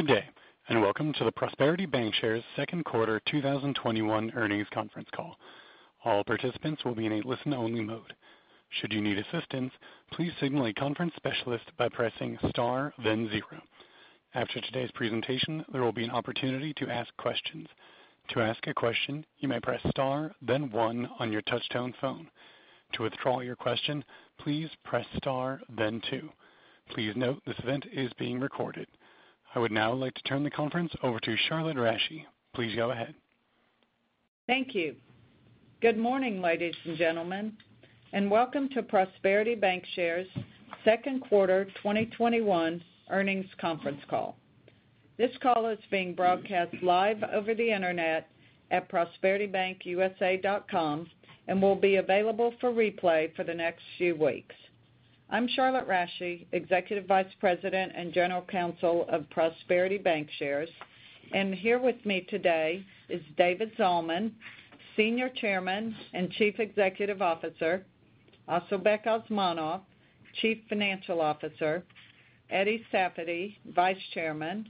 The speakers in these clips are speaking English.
Good day, and welcome to the Prosperity Bancshares second quarter 2021 earnings conference call. All participants will be in a listen-only mode. Should you need assistance, please signal a conference specialist by pressing star then zero. After today's presentation, there will be an opportunity to ask questions. To ask a question, you may press star then one on you touchtone phone. To withdraw your question, please press star then two. Please note this event is being recorded. I would now like to turn the conference over to Charlotte Rasche. Please go ahead. Thank you. Good morning, ladies and gentlemen, and welcome to Prosperity Bancshares' second quarter 2021 earnings conference call. This call is being broadcast live over the internet at prosperitybankusa.com, and will be available for replay for the next few weeks. I'm Charlotte Rasche, Executive Vice President and General Counsel of Prosperity Bancshares. And here with me today is David Zalman, Senior Chairman and Chief Executive Officer, Asylbek Osmonov, Chief Financial Officer, Eddie Safady, Vice Chairman,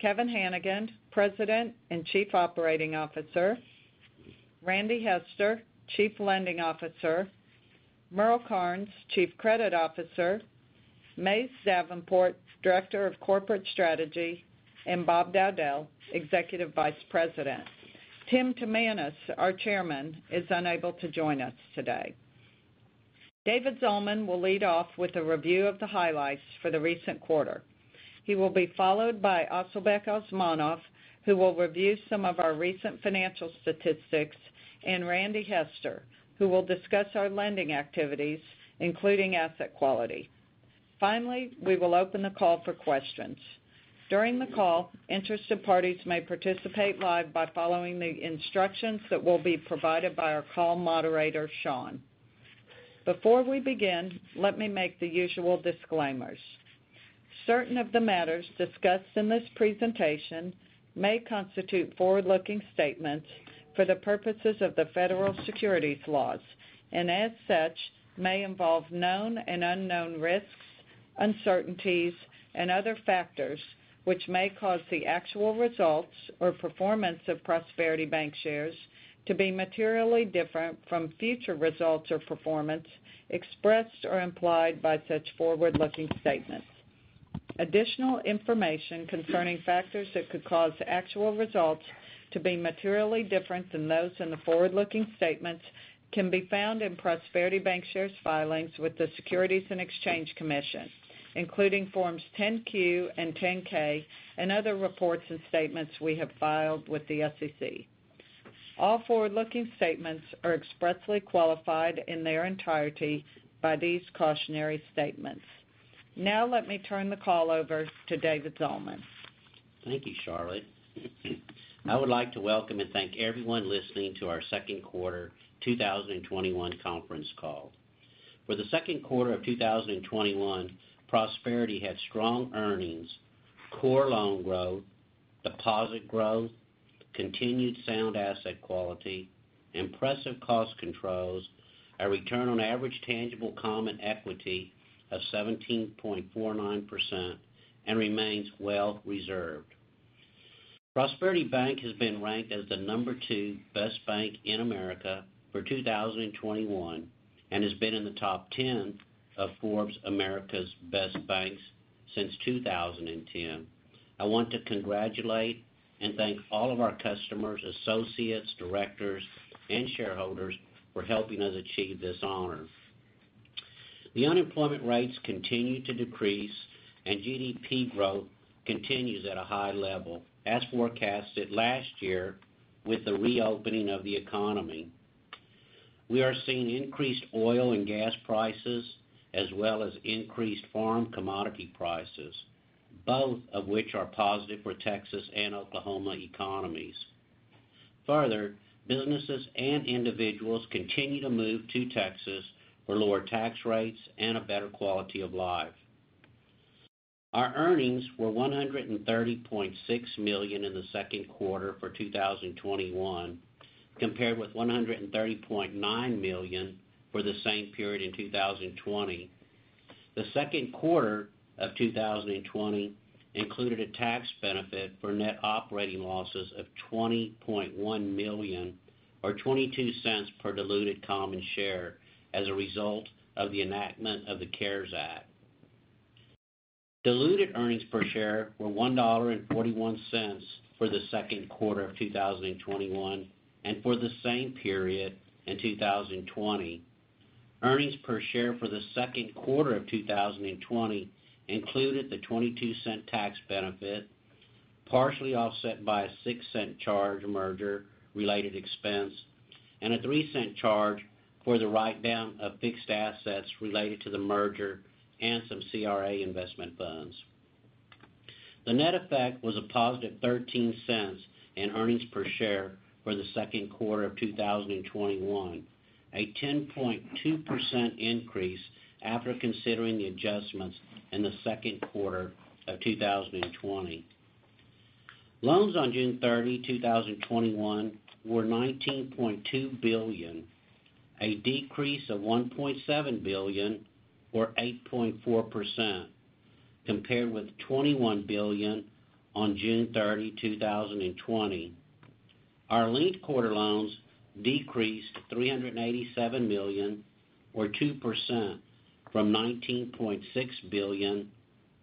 Kevin Hanigan, President and Chief Operating Officer, Randy Hester, Chief Lending Officer, Merle Karnes, Chief Credit Officer, Mays Davenport, Director of Corporate Strategy, and Bob Dowdell, Executive Vice President. Tim Timanus, our Chairman, is unable to join us today. David Zalman will lead off with a review of the highlights for the recent quarter. He will be followed by Asylbek Osmonov, who will review some of our recent financial statistics, and Randy Hester, who will discuss our lending activities, including asset quality. Finally, we will open the call for questions. During the call, interested parties may participate live by following the instructions that will be provided by our call moderator, Sean. Before we begin, let me make the usual disclaimers. Certain of the matters discussed in this presentation may constitute forward-looking statements for the purposes of the federal securities laws, and as such, may involve known and unknown risks, uncertainties, and other factors, which may cause the actual results or performance of Prosperity Bancshares to be materially different from future results or performance expressed or implied by such forward-looking statements. Additional information concerning factors that could cause actual results to be materially different than those in the forward-looking statements can be found in Prosperity Bancshares' filings with the Securities and Exchange Commission, including forms 10-Q and 10-K, and other reports and statements we have filed with the SEC. All forward-looking statements are expressly qualified in their entirety by these cautionary statements. Now let me turn the call over to David Zalman. Thank you, Charlotte. I would like to welcome and thank everyone listening to our second quarter 2021 conference call. For the second quarter of 2021, Prosperity had strong earnings, core loan growth, deposit growth, continued sound asset quality, impressive cost controls, a return on average tangible common equity of 17.49%, and remains well reserved. Prosperity Bank has been ranked as the number two best bank in America for 2021, and has been in the top 10 of Forbes America's Best Banks since 2010. I want to congratulate and thank all of our customers, associates, directors, and shareholders for helping us achieve this honor. The unemployment rates continue to decrease and GDP growth continues at a high level as forecasted last year with the reopening of the economy. We are seeing increased oil and gas prices, as well as increased farm commodity prices, both of which are positive for Texas and Oklahoma economies. Businesses and individuals continue to move to Texas for lower tax rates and a better quality of life. Our earnings were $130.6 million in the second quarter for 2021, compared with $130.9 million for the same period in 2020. The second quarter of 2020 included a tax benefit for net operating losses of $20.1 million or $0.22 per diluted common share as a result of the enactment of the CARES Act. Diluted earnings per share were $1.41 for the second quarter of 2021 and for the same period in 2020. Earnings per share for the second quarter of 2020 included the $0.22 tax benefit, partially offset by a $0.06 charge merger-related expense and a $0.03 charge for the write-down of fixed assets related to the merger and some CRA investment funds. The net effect was a positive $0.13 in earnings per share for the second quarter of 2021, a 10.2% increase after considering the adjustments in the second quarter of 2020. Loans on June 30, 2021, were $19.2 billion, a decrease of $1.7 billion, or 8.4%, compared with $21 billion on June 30, 2020. Our linked quarter loans decreased $387 million, or 2%, from $19.6 billion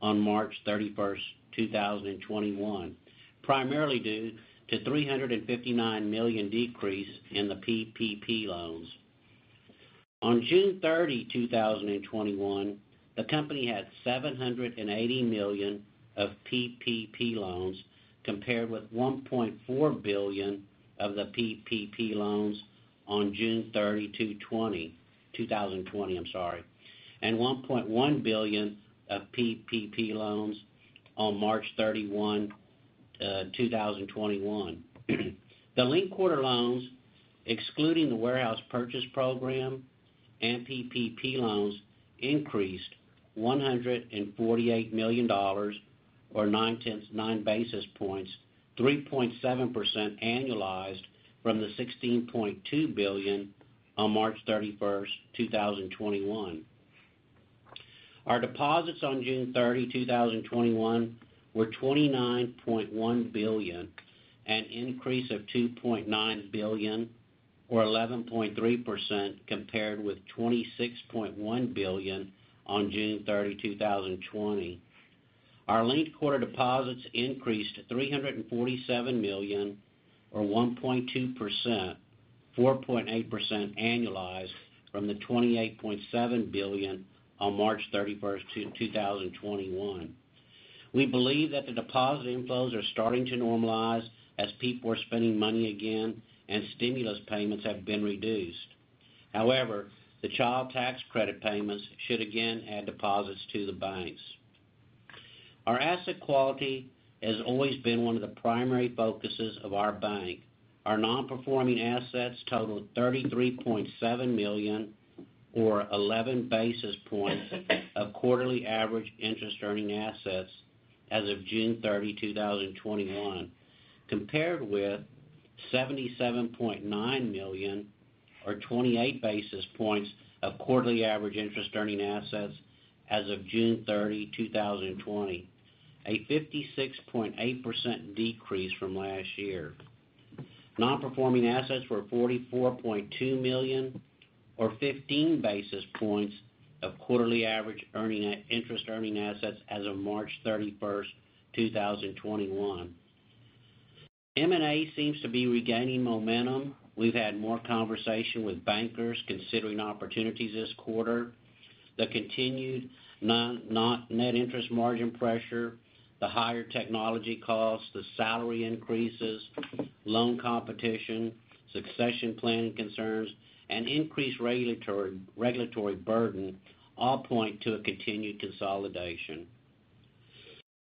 on March 31st, 2021, primarily due to a $359 million decrease in the PPP loans. On June 30, 2021, the company had $780 million of PPP loans, compared with $1.4 billion of the PPP loans on June 30, 2020, and $1.1 billion of PPP loans on March 31, 2021. The linked quarter loans, excluding the Warehouse Purchase Program and PPP loans, increased $148 million, or 9 basis points, 3.7% annualized from the $16.2 billion on March 31st, 2021. Our deposits on June 30, 2021, were $29.1 billion, an increase of $2.9 billion, or 11.3%, compared with $26.1 billion on June 30, 2020. Our linked quarter deposits increased to $347 million, or 1.2%, 4.8% annualized from the $28.7 billion on March 31st, 2021. We believe that the deposit inflows are starting to normalize as people are spending money again and stimulus payments have been reduced. However, the Child Tax Credit payments should again add deposits to the banks. Our asset quality has always been one of the primary focuses of our bank. Our non-performing assets totaled $33.7 million, or 11 basis points of quarterly average interest-earning assets as of June 30, 2021, compared with $77.9 million, or 28 basis points, of quarterly average interest-earning assets as of June 30, 2020, a 56.8% decrease from last year. Non-performing assets were $44.2 million, or 15 basis points, of quarterly average interest-earning assets as of March 31st, 2021. M&A seems to be regaining momentum. We've had more conversation with bankers considering opportunities this quarter. The continued net interest margin pressure, the higher technology costs, the salary increases, loan competition, succession planning concerns, and increased regulatory burden all point to a continued consolidation.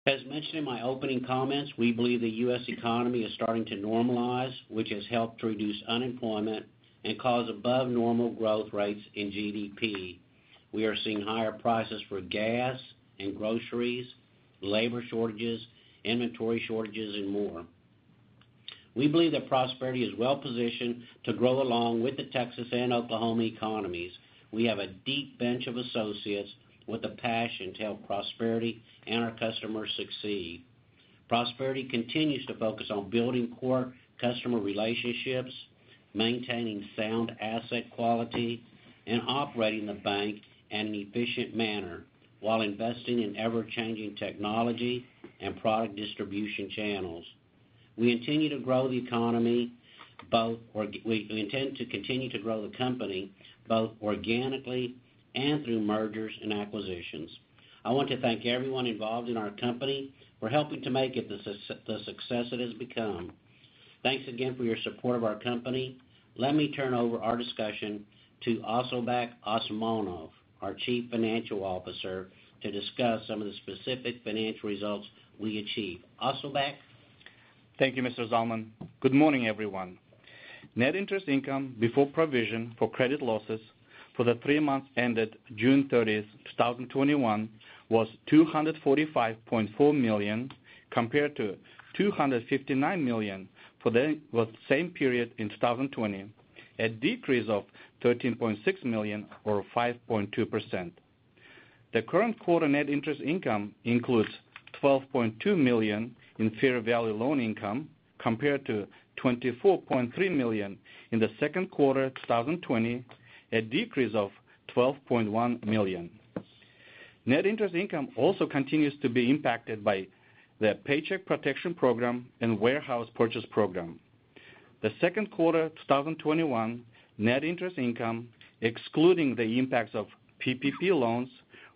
As mentioned in my opening comments, we believe the U.S. economy is starting to normalize, which has helped to reduce unemployment and cause above-normal growth rates in GDP. We are seeing higher prices for gas and groceries, labor shortages, inventory shortages, and more. We believe that Prosperity is well-positioned to grow along with the Texas and Oklahoma economies. We have a deep bench of associates with a passion to help Prosperity and our customers succeed. Prosperity continues to focus on building core customer relationships, maintaining sound asset quality, and operating the bank in an efficient manner while investing in ever-changing technology and product distribution channels. We intend to continue to grow the company both organically and through mergers and acquisitions. I want to thank everyone involved in our company for helping to make it the success it has become. Thanks again for your support of our company. Let me turn over our discussion to Asylbek Osmonov, our Chief Financial Officer, to discuss some of the specific financial results we achieved. Asylbek? Thank you, Mr. Zalman. Good morning, everyone. Net interest income before provision for credit losses for the three months ended June 30th, 2021, was $245.4 million, compared to $259 million for the same period in 2020, a decrease of $13.6 million, or 5.2%. The current quarter net interest income includes $12.2 million in fair value loan income, compared to $24.3 million in the second quarter of 2020, a decrease of $12.1 million. Net interest income also continues to be impacted by the Paycheck Protection Program and Warehouse Purchase Program. The second quarter of 2021 net interest income, excluding the impacts of PPP loans,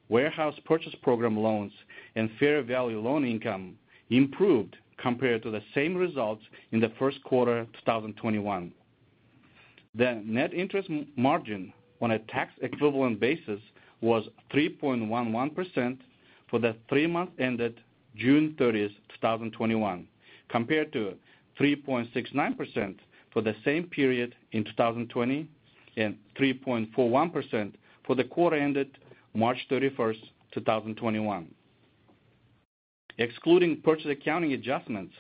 Warehouse Purchase Program loans, and fair value loan income, improved compared to the same results in the first quarter of 2021. The net interest margin on a tax-equivalent basis was 3.11% for the three months ended June 30th, 2021, compared to 3.69% for the same period in 2020, and 3.41% for the quarter ended March 31st, 2021. Excluding purchase accounting adjustments,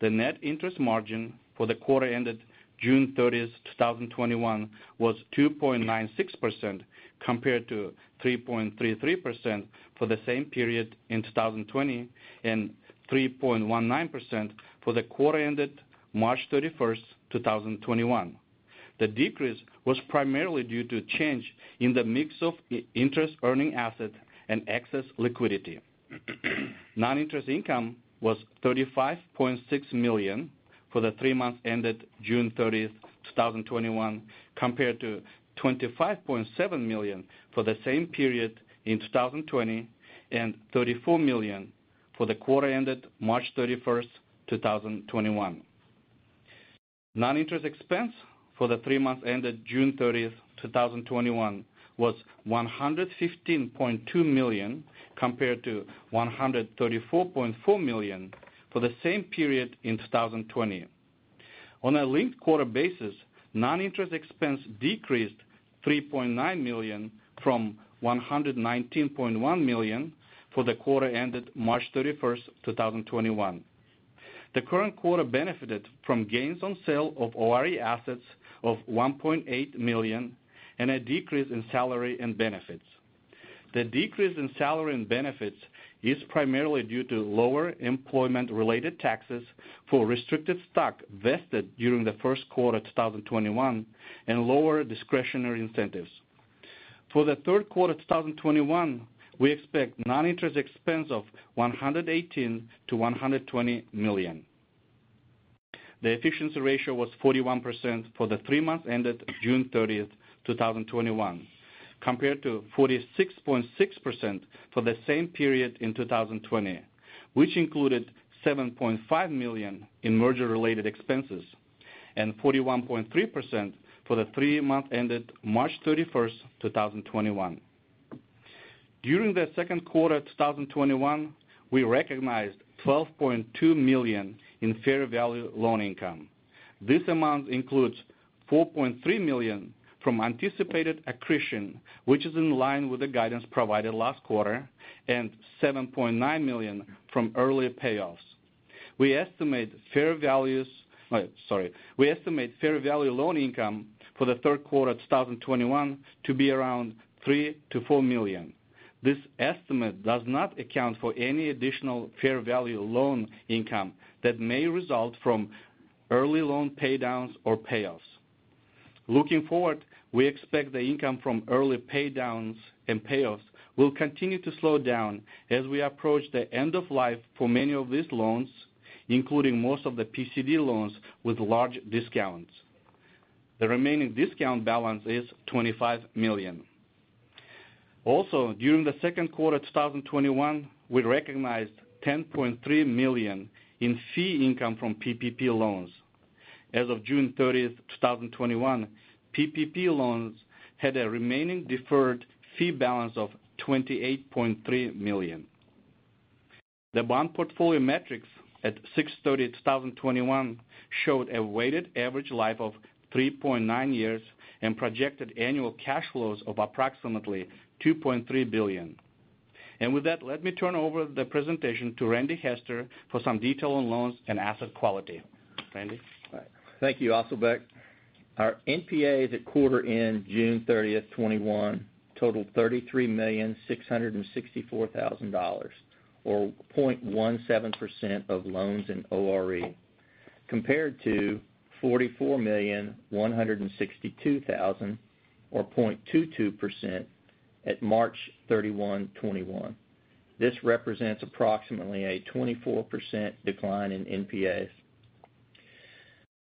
the net interest margin for the quarter ended June 30th, 2021 was 2.96%, compared to 3.33% for the same period in 2020, and 3.19% for the quarter ended March 31st, 2021. The decrease was primarily due to a change in the mix of interest-earning assets and excess liquidity. Non-interest income was $35.6 million for the three months ended June 30th, 2021, compared to $25.7 million for the same period in 2020, and $34 million for the quarter ended March 31st, 2021. Non-interest expense for the three months ended June 30th, 2021 was $115.2 million, compared to $134.4 million for the same period in 2020. On a linked-quarter basis, non-interest expense decreased $3.9 million from $119.1 million for the quarter ended March 31st, 2021. The current quarter benefited from gains on sale of ORE assets of $1.8 million and a decrease in salary and benefits. The decrease in salary and benefits is primarily due to lower employment-related taxes for restricted stock vested during the first quarter of 2021 and lower discretionary incentives. For the third quarter of 2021, we expect non-interest expense of $118 million-$120 million. The efficiency ratio was 41% for the three months ended June 30th, 2021, compared to 46.6% for the same period in 2020, which included $7.5 million in merger related expenses, and 41.3% for the three months ended March 31st, 2021. During the second quarter of 2021, we recognized $12.2 million in fair value loan income. This amount includes $4.3 million from anticipated accretion, which is in line with the guidance provided last quarter, and $7.9 million from early payoffs. We estimate fair value loan income for the third quarter of 2021 to be $3 million-$4 million. This estimate does not account for any additional fair value loan income that may result from early loan pay downs or payoffs. Looking forward, we expect the income from early pay downs and payoffs will continue to slow down as we approach the end of life for many of these loans, including most of the PCD loans with large discounts. The remaining discount balance is $25 million. During the second quarter of 2021, we recognized $10.3 million in fee income from PPP loans. As of June 30th, 2021, PPP loans had a remaining deferred fee balance of $28.3 million. The bond portfolio metrics at 6/30/2021 showed a weighted average life of 3.9 years and projected annual cash flows of approximately $2.3 billion. With that, let me turn over the presentation to Randy Hester for some detail on loans and asset quality. Randy? Thank you, Asylbek. Our NPAs at quarter end June 30th, 2021 totaled $33,664,000, or 0.17% of loans in ORE, compared to $44,162,000, or 0.22%, at March 31, 2021. This represents approximately a 24% decline in NPAs.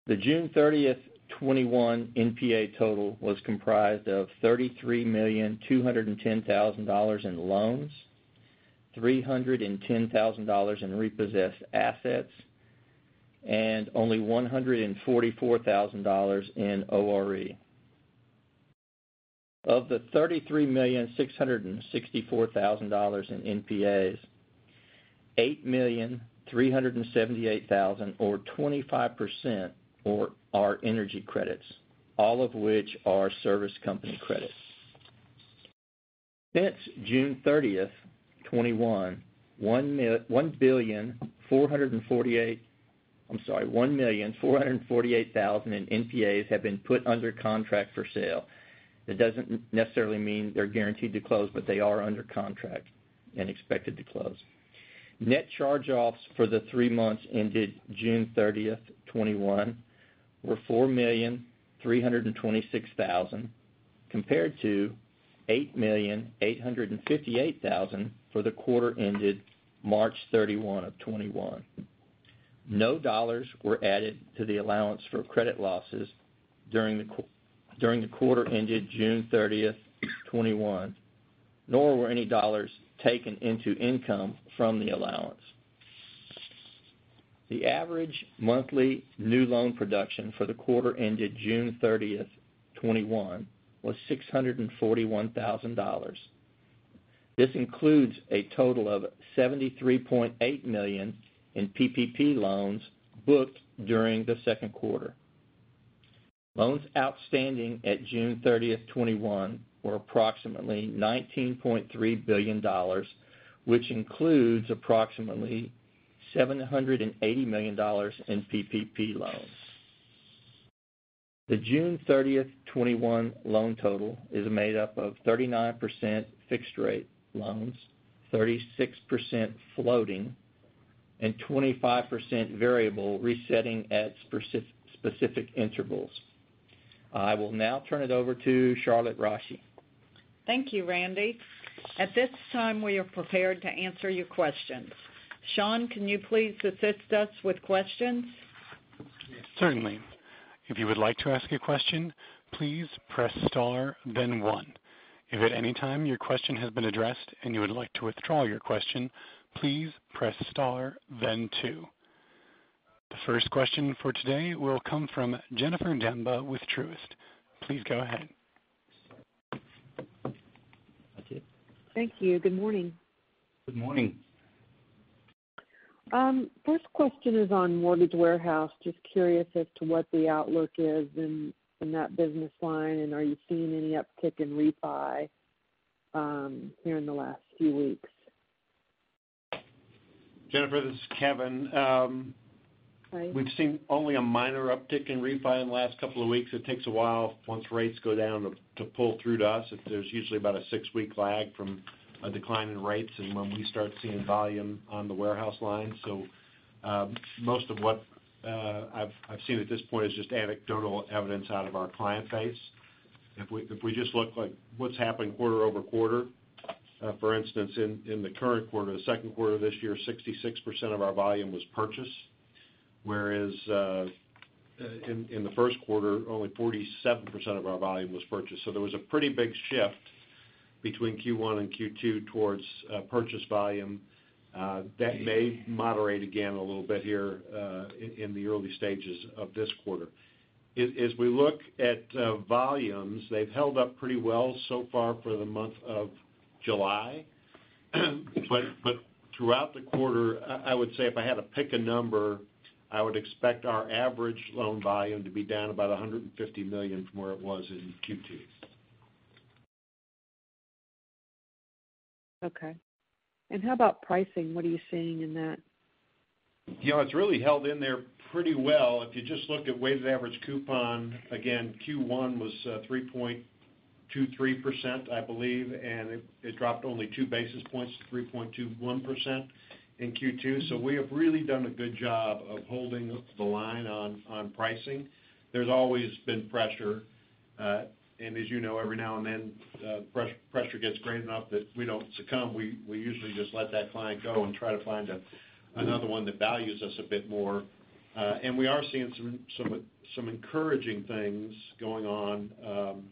The June 30th, 2021 NPA total was comprised of $33,210,000 in loans, $310,000 in repossessed assets, and only $144,000 in ORE. Of the $33,664,000 in NPAs, $8,378,000, or 25%, are energy credits, all of which are service company credits. Since June 30th, 2021, $1,448,000 in NPAs have been put under contract for sale. That doesn't necessarily mean they're guaranteed to close, but they are under contract and expected to close. Net charge-offs for the three months ended June 30th, 2021 were $4,326,000, compared to $8,858,000 for the quarter ended March 31 of 2021. No dollars were added to the allowance for credit losses during the quarter ended June 30th, 2021, nor were any dollars taken into income from the allowance. The average monthly new loan production for the quarter ended June 30th, 2021 was $641,000. This includes a total of $73.8 million in PPP loans booked during the second quarter. Loans outstanding at June 30th, 2021 were approximately $19.3 billion, which includes approximately $780 million in PPP loans. The June 30th, 2021 loan total is made up of 39% fixed-rate loans, 36% floating, and 25% variable, resetting at specific intervals. I will now turn it over to Charlotte Rasche. Thank you, Randy. At this time, we are prepared to answer your questions. Sean, can you please assist us with questions? Yes. Certainly. If you would like to ask a question, please press star, then one. If at any time your question has been addressed and you would like to withdraw your question, please press star, then two. The first question for today will come from Jennifer Demba with Truist. Please go ahead. That's it. Thank you. Good morning. Good morning. First question is on mortgage warehouse. Just curious as to what the outlook is in that business line, and are you seeing any uptick in refi here in the last few weeks? Jennifer, this is Kevin. Hi. We've seen only a minor uptick in refi in the last couple of weeks. It takes a while once rates go down to pull through to us. There's usually about a six-week lag from a decline in rates and when we start seeing volume on the warehouse line. Most of what I've seen at this point is just anecdotal evidence out of our client base. If we just look at what's happening quarter-over-quarter, for instance, in the current quarter, the second quarter of this year, 66% of our volume was purchased, whereas in the first quarter, only 47% of our volume was purchased. There was a pretty big shift between Q1 and Q2 towards purchase volume. That may moderate again a little bit here in the early stages of this quarter. As we look at volumes, they've held up pretty well so far for the month of July. Throughout the quarter, I would say if I had to pick a number, I would expect our average loan volume to be down about $150 million from where it was in Q2. Okay. How about pricing? What are you seeing in that? It's really held in there pretty well. If you just look at weighted average coupon, again, Q1 was 3.23%, I believe, and it dropped only 2 basis points to 3.21% in Q2. We have really done a good job of holding the line on pricing. There's always been pressure, as you know, every now and then, pressure gets great enough that we don't succumb. We usually just let that client go and try to find another one that values us a bit more. We are seeing some encouraging things going on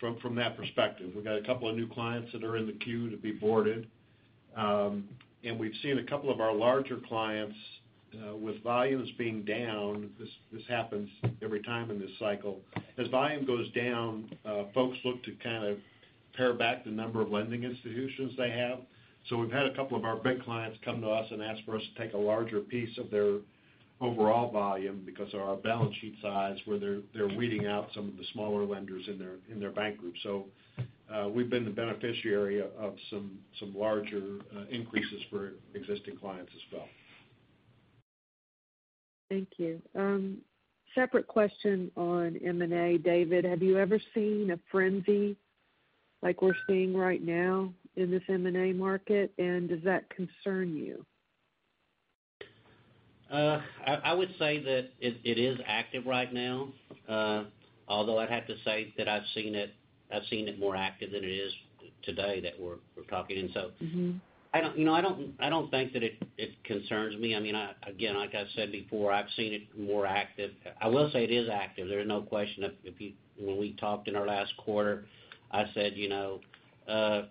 from that perspective. We've got a couple of new clients that are in the queue to be boarded. We've seen a couple of our larger clients with volumes being down. This happens every time in this cycle. As volume goes down, folks look to pare back the number of lending institutions they have. We've had a couple of our big clients come to us and ask for us to take a larger piece of their overall volume because of our balance sheet size, where they're weeding out some of the smaller lenders in their bank group. We've been the beneficiary of some larger increases for existing clients as well. Thank you. Separate question on M&A. David, have you ever seen a frenzy like we're seeing right now in this M&A market? Does that concern you? I would say that it is active right now. Although I'd have to say that I've seen it more active than it is today that we're talking. I don't think that it concerns me. Again, like I've said before, I've seen it more active. I will say it is active. There's no question. When we talked in our last quarter, I said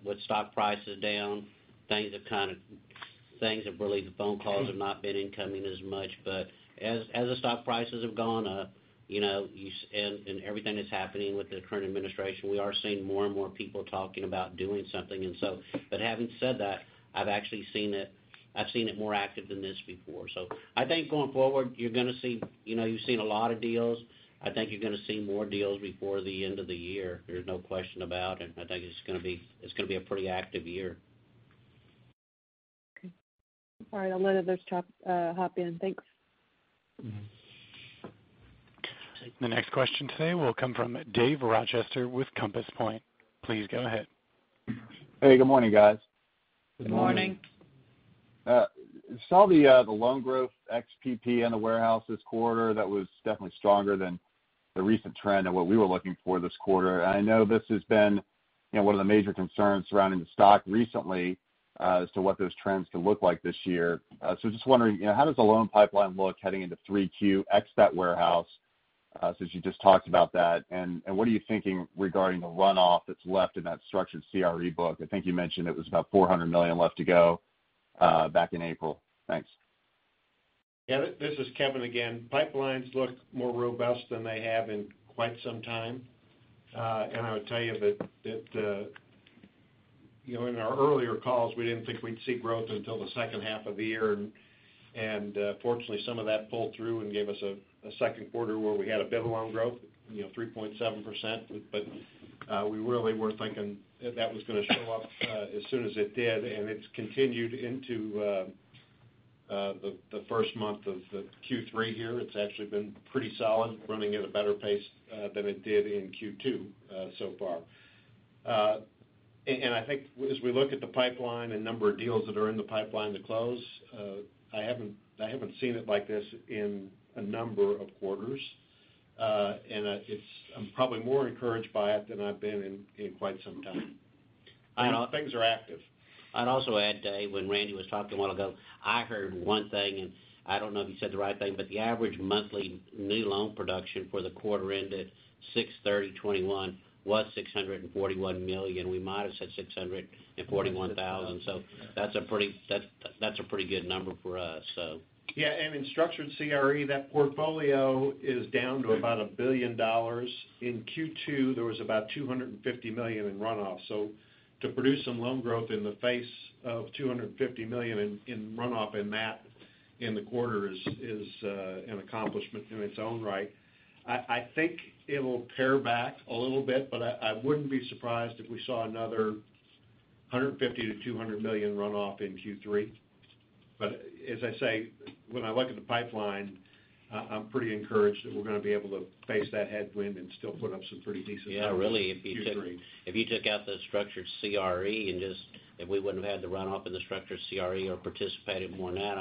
with stock prices down, the phone calls have not been incoming as much, but as the stock prices have gone up, and everything that's happening with the current administration, we are seeing more and more people talking about doing something. Having said that, I've seen it more active than this before. I think going forward, you've seen a lot of deals. I think you're going to see more deals before the end of the year. There's no question about it. I think it's going to be a pretty active year. Okay. All right. I'll let others hop in. Thanks. The next question today will come from Dave Rochester with Compass Point. Please go ahead. Hey, good morning, guys. Good morning. Good morning. I saw the loan growth PPP in the warehouse this quarter, that was definitely stronger than the recent trend and what we were looking for this quarter. I know this has been one of the major concerns surrounding the stock recently as to what those trends can look like this year. Just wondering, how does the loan pipeline look heading into 3Q ex that warehouse since you just talked about that, and what are you thinking regarding the runoff that's left in that structured CRE book? I think you mentioned it was about $400 million left to go back in April. Thanks. Yeah, this is Kevin again. Pipelines look more robust than they have in quite some time. I would tell you that in our earlier calls, we didn't think we'd see growth until the second half of the year. Fortunately, some of that pulled through and gave us a second quarter where we had a bit of loan growth, 3.7%. We really weren't thinking that was going to show up as soon as it did, and it's continued into the first month of Q3 here. It's actually been pretty solid, running at a better pace than it did in Q2 so far. I think as we look at the pipeline and number of deals that are in the pipeline to close, I haven't seen it like this in a number of quarters. I'm probably more encouraged by it than I've been in quite some time. Things are active. I'd also add, when Randy was talking a while ago, I heard one thing, and I don't know if he said the right thing, but the average monthly new loan production for the quarter ended 6/30/2021 was $641 million. We might have said $641,000. That's a pretty good number for us. In structured CRE, that portfolio is down to about $1 billion. In Q2, there was about $250 million in runoff. To produce some loan growth in the face of $250 million in runoff in that in the quarter is an accomplishment in its own right. I think it'll pare back a little bit, but I wouldn't be surprised if we saw another $150 million-$200 million runoff in Q3. As I say, when I look at the pipeline, I'm pretty encouraged that we're going to be able to face that headwind and still put up some pretty decent numbers in Q3. Yeah, really, if you took out the structured CRE, and if we wouldn't have had the runoff in the structured CRE or participated more in that,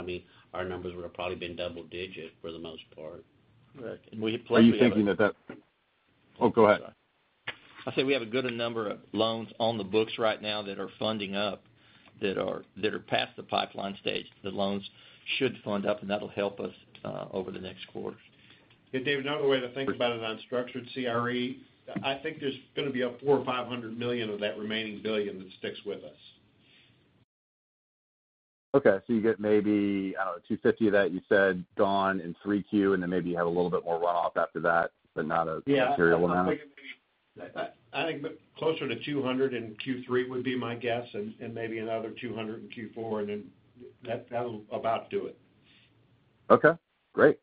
our numbers would have probably been double-digit for the most part. Right. Are you thinking that? Oh, go ahead. I said we have a good number of loans on the books right now that are funding up, that are past the pipeline stage. The loans should fund up, and that'll help us over the next quarters. David, another way to think about it on structured CRE, I think there's going to be a $400 million or $500 million of that remaining $1 billion that sticks with us. Okay. You get maybe, I don't know, $250 that you said gone in 3Q, and then maybe you have a little bit more runoff after that, but not a material amount. Yeah. I think closer to $200 in Q3 would be my guess, and maybe another $200 in Q4, and then that'll about do it. Okay, great.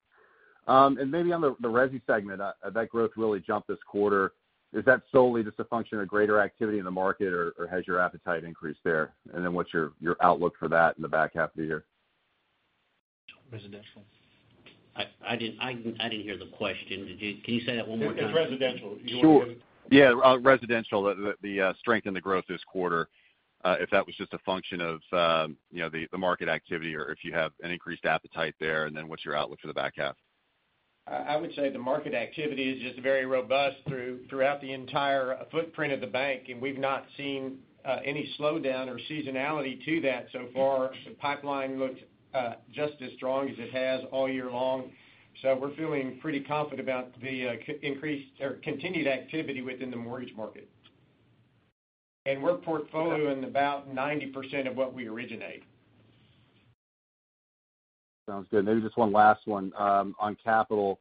Maybe on the resi segment, that growth really jumped this quarter. Is that solely just a function of greater activity in the market, or has your appetite increased there? What's your outlook for that in the back half of the year? Residential. I didn't hear the question. Can you say that one more time? It's residential. Sure. Residential, the strength in the growth this quarter, if that was just a function of the market activity, or if you have an increased appetite there, and then what's your outlook for the back half? I would say the market activity is just very robust throughout the entire footprint of the bank, and we've not seen any slowdown or seasonality to that so far. The pipeline looks just as strong as it has all year long. We're feeling pretty confident about the increased or continued activity within the mortgage market. We're portfolioing about 90% of what we originate. Sounds good. Maybe just one last one on capital.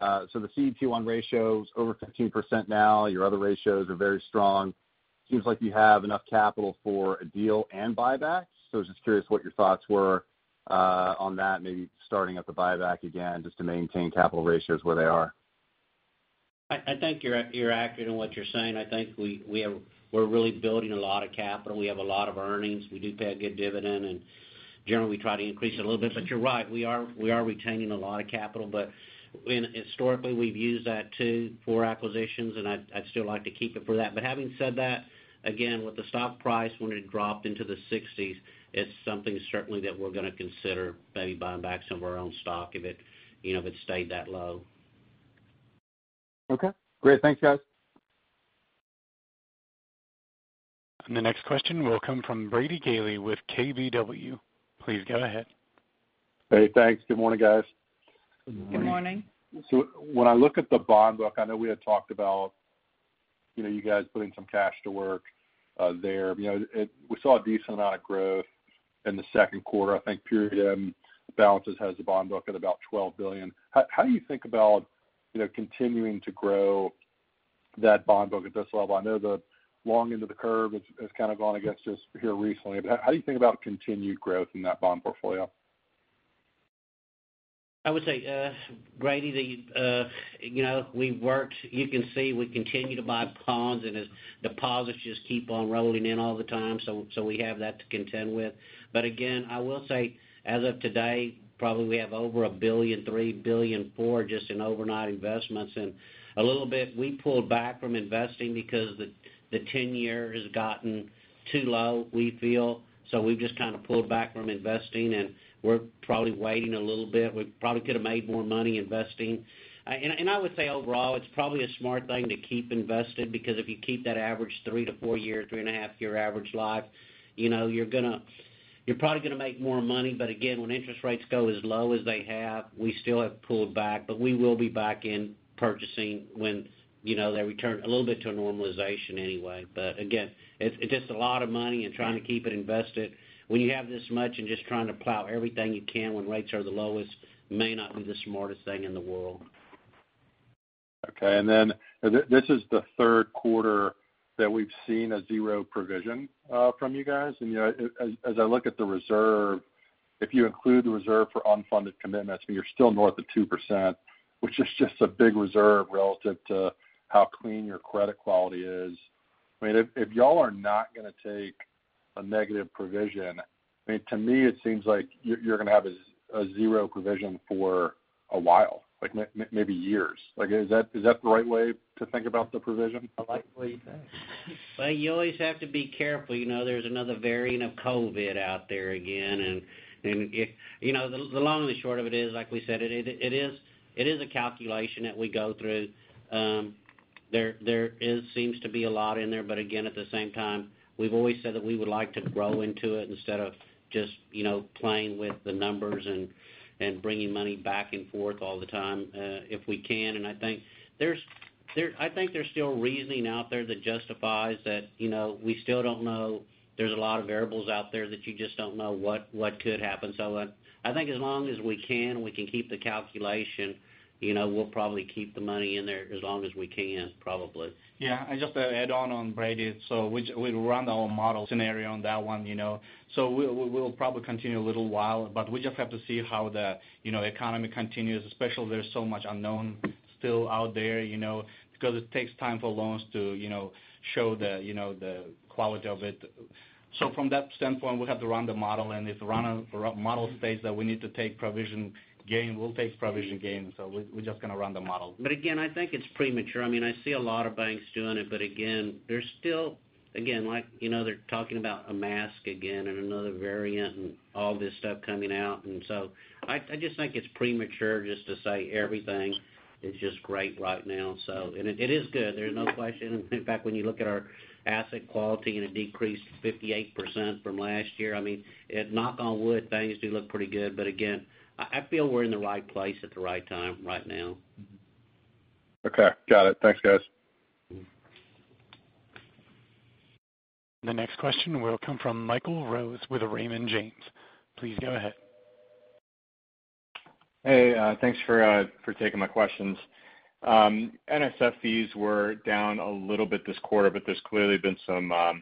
The CET1 ratio is over 15% now. Your other ratios are very strong. Seems like you have enough capital for a deal and buyback. I was just curious what your thoughts were on that, maybe starting up the buyback again just to maintain capital ratios where they are. I think you're accurate in what you're saying. I think we're really building a lot of capital. We have a lot of earnings. We do pay a good dividend, and generally, we try to increase it a little bit, but you're right, we are retaining a lot of capital, but historically, we've used that too for acquisitions, and I'd still like to keep it for that. Having said that, again, with the stock price when it dropped into the 60s, it's something certainly that we're going to consider maybe buying back some of our own stock if it stayed that low. Okay, great. Thanks, guys. The next question will come from Brady Gailey with KBW. Please go ahead. Brady, thanks. Good morning, guys. Good morning. Good morning. When I look at the bond book, I know we had talked about you guys putting some cash to work there. We saw a decent amount of growth in the second quarter. I think period end balances has the bond book at about $12 billion. How do you think about continuing to grow that bond book at this level? I know the long end of the curve has kind of gone against us here recently, but how do you think about continued growth in that bond portfolio? I would say, Brady, you can see we continue to buy bonds, as deposits just keep on rolling in all the time, we have that to contend with. Again, I will say, as of today, probably we have over $1 billion, $3 billion, $4 billion just in overnight investments and a little bit, we pulled back from investing because the 10-year has gotten too low, we feel. We've just kind of pulled back from investing, we're probably waiting a little bit. We probably could have made more money investing. I would say overall, it's probably a smart thing to keep invested because if you keep that average three to four years, three and a half year average life, you're probably going to make more money. Again, when interest rates go as low as they have, we still have pulled back, but we will be back in purchasing when they return a little bit to a normalization anyway. Again, it's just a lot of money and trying to keep it invested. When you have this much and just trying to plow everything you can when rates are the lowest may not be the smartest thing in the world. This is the third quarter that we've seen a zero provision from you guys. As I look at the reserve, if you include the reserve for unfunded commitments, you're still north of 2%, which is just a big reserve relative to how clean your credit quality is. If you all are not going to take a negative provision, to me, it seems like you're going to have a zero provision for a while, like maybe years. Is that the right way to think about the provision? Likely, yes. Well, you always have to be careful. There's another variant of COVID out there again. The long and the short of it is, like we said, it is a calculation that we go through. There seems to be a lot in there, but again, at the same time, we've always said that we would like to grow into it instead of just playing with the numbers and bringing money back and forth all the time if we can. I think there's still reasoning out there that justifies that we still don't know. There's a lot of variables out there that you just don't know what could happen. I think as long as we can keep the calculation, we'll probably keep the money in there as long as we can, probably. Just to add on, Brady. We run our model scenario on that one. We'll probably continue a little while, but we just have to see how the economy continues, especially there's so much unknown still out there because it takes time for loans to show the quality of it. From that standpoint, we have to run the model, and if the run model states that we need to take provision gain, we'll take provision gain. We're just going to run the model. Again, I think it's premature. I see a lot of banks doing it, but again, they're talking about a mask again and another variant and all this stuff coming out. I just think it's premature just to say everything is just great right now. It is good, there's no question. In fact, when you look at our asset quality and it decreased 58% from last year, knock on wood, things do look pretty good. Again, I feel we're in the right place at the right time right now. Okay. Got it. Thanks, guys. The next question will come from Michael Rose with Raymond James. Please go ahead. Hey, thanks for taking my questions. NSF fees were down a little bit this quarter, but there's clearly been some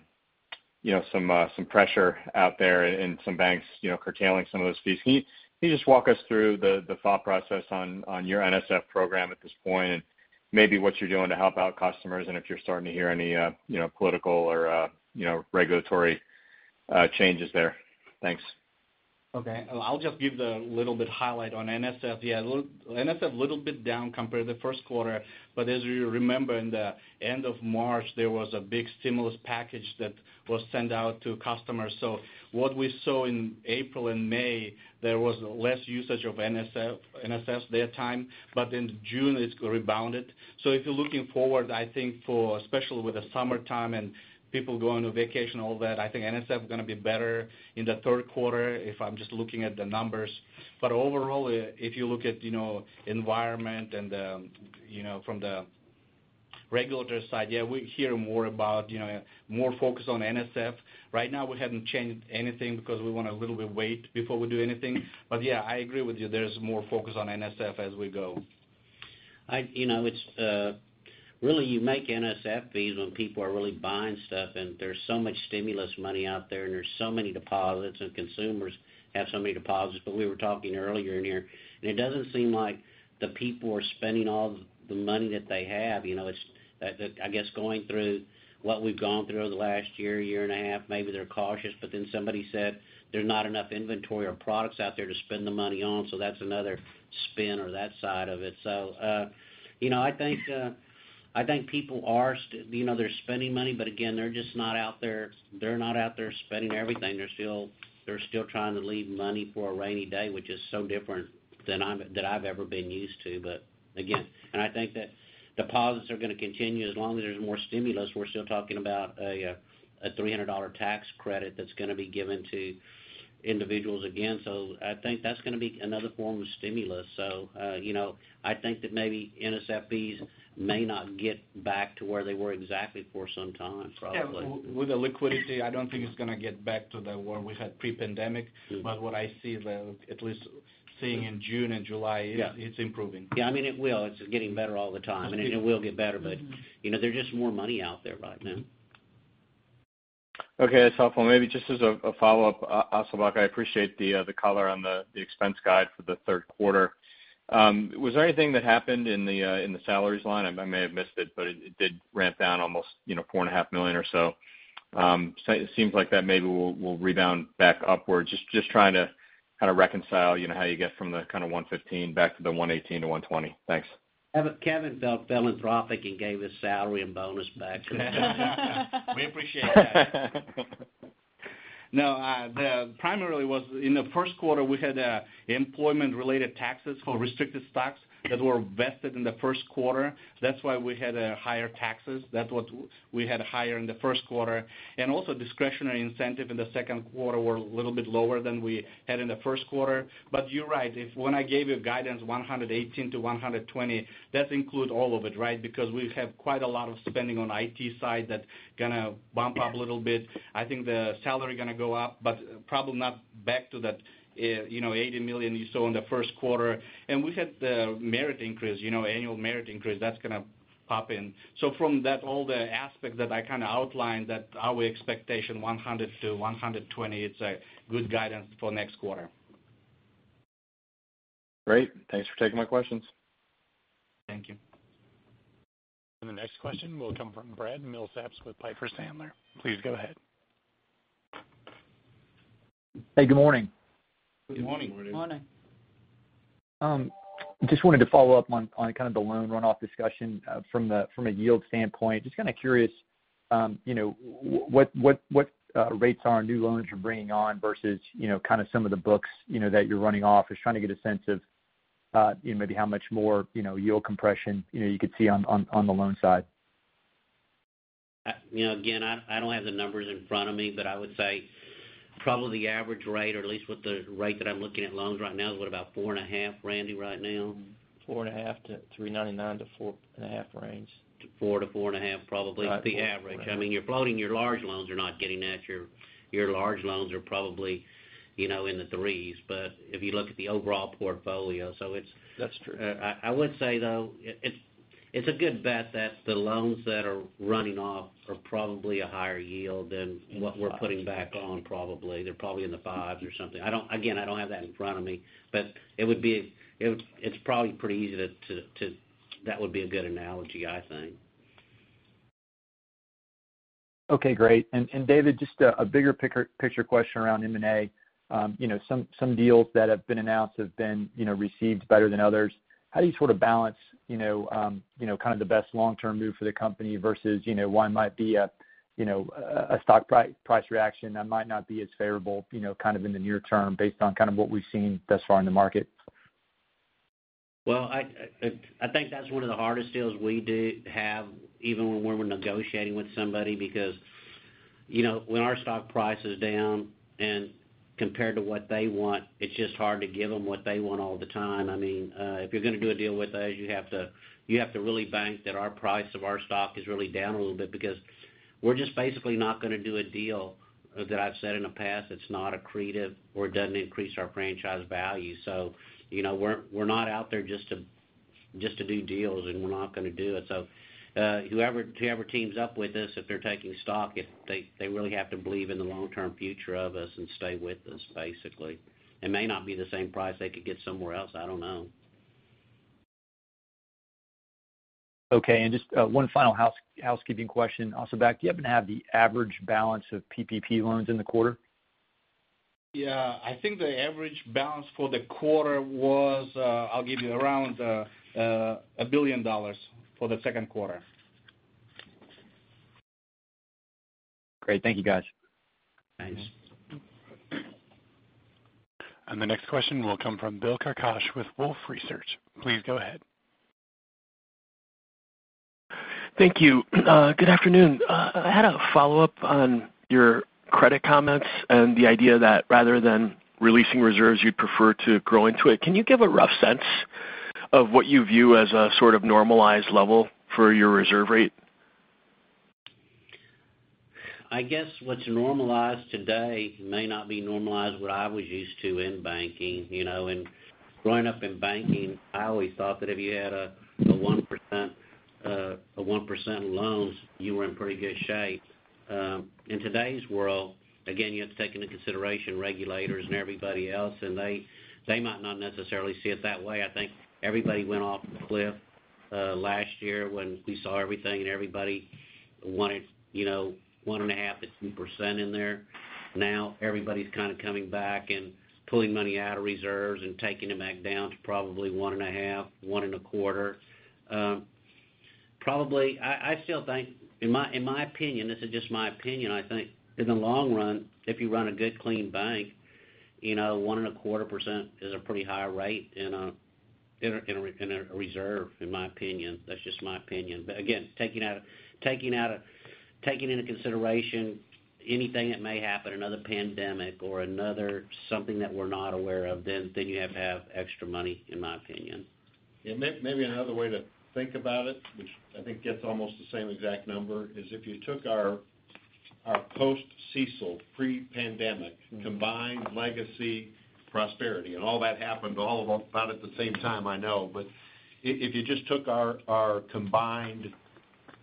pressure out there in some banks curtailing some of those fees. Can you just walk us through the thought process on your NSF program at this point and maybe what you're doing to help out customers and if you're starting to hear any political or regulatory changes there? Thanks. Okay. I'll just give the little bit highlight on NSF. Yeah, NSF, little bit down compared to the first quarter, as you remember, in the end of March, there was a big stimulus package that was sent out to customers. What we saw in April and May, there was less usage of NSFs that time. In June, it's rebounded. If you're looking forward, I think for especially with the summertime and people going on vacation, all that, I think NSF is going to be better in the third quarter if I'm just looking at the numbers. Overall, if you look at environment and from the regulators' side, yeah, we hear more about more focus on NSF. Right now, we haven't changed anything because we want to a little bit wait before we do anything. Yeah, I agree with you. There's more focus on NSF as we go. You make NSF fees when people are really buying stuff, and there's so much stimulus money out there, and there's so many deposits, and consumers have so many deposits. We were talking earlier in here, and it doesn't seem like the people are spending all the money that they have. I guess going through what we've gone through the last year and a half, maybe they're cautious, but then somebody said there's not enough inventory or products out there to spend the money on, so that's another spin or that side of it. I think people are spending money, but again, they're just not out there spending everything. They're still trying to leave money for a rainy day, which is so different than I've ever been used to. Again, I think that deposits are going to continue as long as there's more stimulus. We're still talking about a $300 tax credit that's going to be given to individuals again. I think that's going to be another form of stimulus. I think that maybe NSF fees may not get back to where they were exactly for some time, probably. Yeah. With the liquidity, I don't think it's going to get back to where we had pre-pandemic. What I see, at least seeing in June and July. Yeah. It's improving. Yeah, it will. It's getting better all the time, and it will get better, but there's just more money out there right now. Okay. That's helpful. Maybe just as a follow-up, Asylbek, I appreciate the color on the expense guide for the third quarter. Was there anything that happened in the salaries line? I may have missed it did ramp down almost $4.5 million or so. Seems like that maybe will rebound back upwards. Just trying to kind of reconcile how you get from the kind of $115 back to the $118-$120. Thanks. Kevin felt philanthropic and gave his salary and bonus back. We appreciate that. Primarily was in the first quarter, we had employment-related taxes for restricted stocks that were vested in the first quarter. That's why we had higher taxes. That's what we had higher in the first quarter. Also discretionary incentive in the second quarter were a little bit lower than we had in the first quarter. You're right. When I gave you guidance $118-$120, that includes all of it, right? We have quite a lot of spending on IT side that's going to bump up a little bit. I think the salary going to go up, probably not back to that $80 million you saw in the first quarter. We had the merit increase, annual merit increase that's going to pop in. From all the aspects that I outlined, our expectation, $100-$120, it's a good guidance for next quarter. Great. Thanks for taking my questions. Thank you. The next question will come from Brad Milsaps with Piper Sandler. Please go ahead. Hey, good morning. Good morning. Good morning. Just wanted to follow-up on kind of the loan runoff discussion from a yield standpoint. Just kind of curious, what rates are on new loans you're bringing on versus some of the books that you're running off. Just trying to get a sense of maybe how much more yield compression you could see on the loan side. Again, I don't have the numbers in front of me, but I would say probably the average rate, or at least with the rate that I'm looking at loans right now is what, about 4.5%, Randy, right now? 4.5%-3.99% to 4.5% range. To 4%-4.5% probably. Right. The average. You're floating your large loans, you're not getting at your large loans are probably in the threes. If you look at the overall portfolio. That's true. I would say, though, it's a good bet that the loans that are running off are probably a higher yield than what we're putting back on, probably. They're probably in the fives or something. Again, I don't have that in front of me, but That would be a good analogy, I think. Okay, great. David, just a bigger picture question around M&A. Some deals that have been announced have been received better than others. How do you sort of balance kind of the best long-term move for the company versus one might be a stock price reaction that might not be as favorable kind of in the near-term based on kind of what we've seen thus far in the market? Well, I think that's one of the hardest deals we do have, even when we're negotiating with somebody, because when our stock price is down and compared to what they want, it's just hard to give them what they want all the time. If you're going to do a deal with us, you have to really bank that our price of our stock is really down a little bit because we're just basically not going to do a deal that I've said in the past that's not accretive or doesn't increase our franchise value. We're not out there just to do deals, and we're not going to do it. Whoever teams up with us, if they're taking stock, they really have to believe in the long-term future of us and stay with us, basically. It may not be the same price they could get somewhere else, I don't know. Okay, just one final housekeeping question, Asylbek. Do you happen to have the average balance of PPP loans in the quarter? Yeah, I think the average balance for the quarter was, I'll give you around $1 billion for the second quarter. Great. Thank you, guys. Thanks. The next question will come from Bill Carcache with Wolfe Research. Please go ahead. Thank you. Good afternoon. I had a follow-up on your credit comments and the idea that rather than releasing reserves, you'd prefer to grow into it. Can you give a rough sense of what you view as a sort of normalized level for your reserve rate? I guess what's normalized today may not be normalized what I was used to in banking. Growing up in banking, I always thought that if you had a 1% loans, you were in pretty good shape. In today's world, again, you have to take into consideration regulators and everybody else, and they might not necessarily see it that way. I think everybody went off the cliff last year when we saw everything, and everybody wanted 1.5%-2% in there. Everybody's kind of coming back and pulling money out of reserves and taking them back down to probably 1.5%, 1.25%. I still think, in my opinion, this is just my opinion, I think in the long run, if you run a good, clean bank, 1.25% is a pretty high rate in a reserve, in my opinion. That's just my opinion. Again, taking into consideration anything that may happen, another pandemic or another something that we're not aware of, then you have to have extra money, in my opinion. Maybe another way to think about it, which I think gets almost the same exact number, is if you took our post-CECL, pre-pandemic, combined legacy Prosperity, and all that happened all about at the same time, I know, but if you just took our combined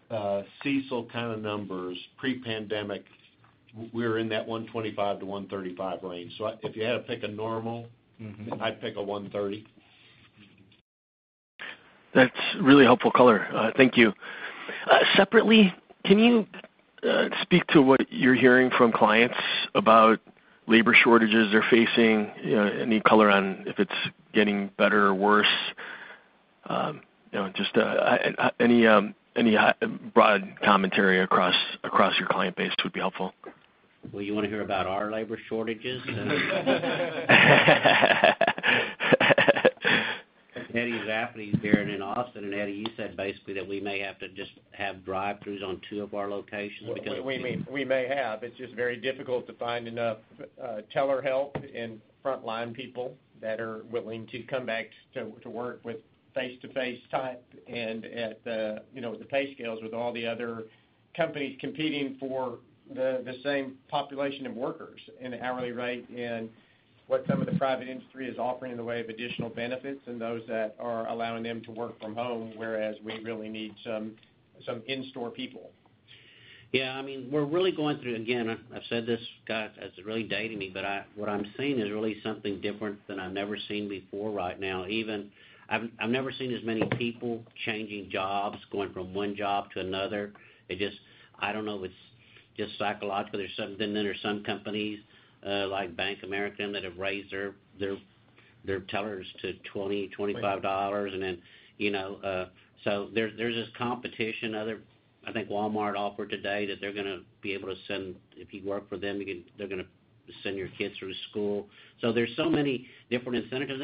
CECL kind of numbers pre-pandemic, we're in that 125-135 range. If you had to pick a normal- I'd pick a 130. That's really helpful color. Thank you. Can you speak to what you're hearing from clients about labor shortages they're facing, any color on if it's getting better or worse? Just any broad commentary across your client base would be helpful. Well, you want to hear about our labor shortages? Eddie Safady's here and in Austin, Eddie, you said basically that we may have to just have drive-throughs on two of our locations because. We may have. It is just very difficult to find enough teller help and frontline people that are willing to come back to work with face-to-face time and at the pay scales with all the other companies competing for the same population of workers and hourly rate and what some of the private industry is offering in the way of additional benefits and those that are allowing them to work from home, whereas we really need some in-store people. Yeah. We're really going through, again, I've said this, Scott, it's really dating me, but what I'm seeing is really something different than I've never seen before right now. I've never seen as many people changing jobs, going from one job to another. I don't know if it's just psychological. There's some companies like Bank of America that have raised their tellers to $20, $25. There's this competition. I think Walmart offered today that they're going to be able to send, if you work for them, they're going to send your kids through school. There's so many different incentives.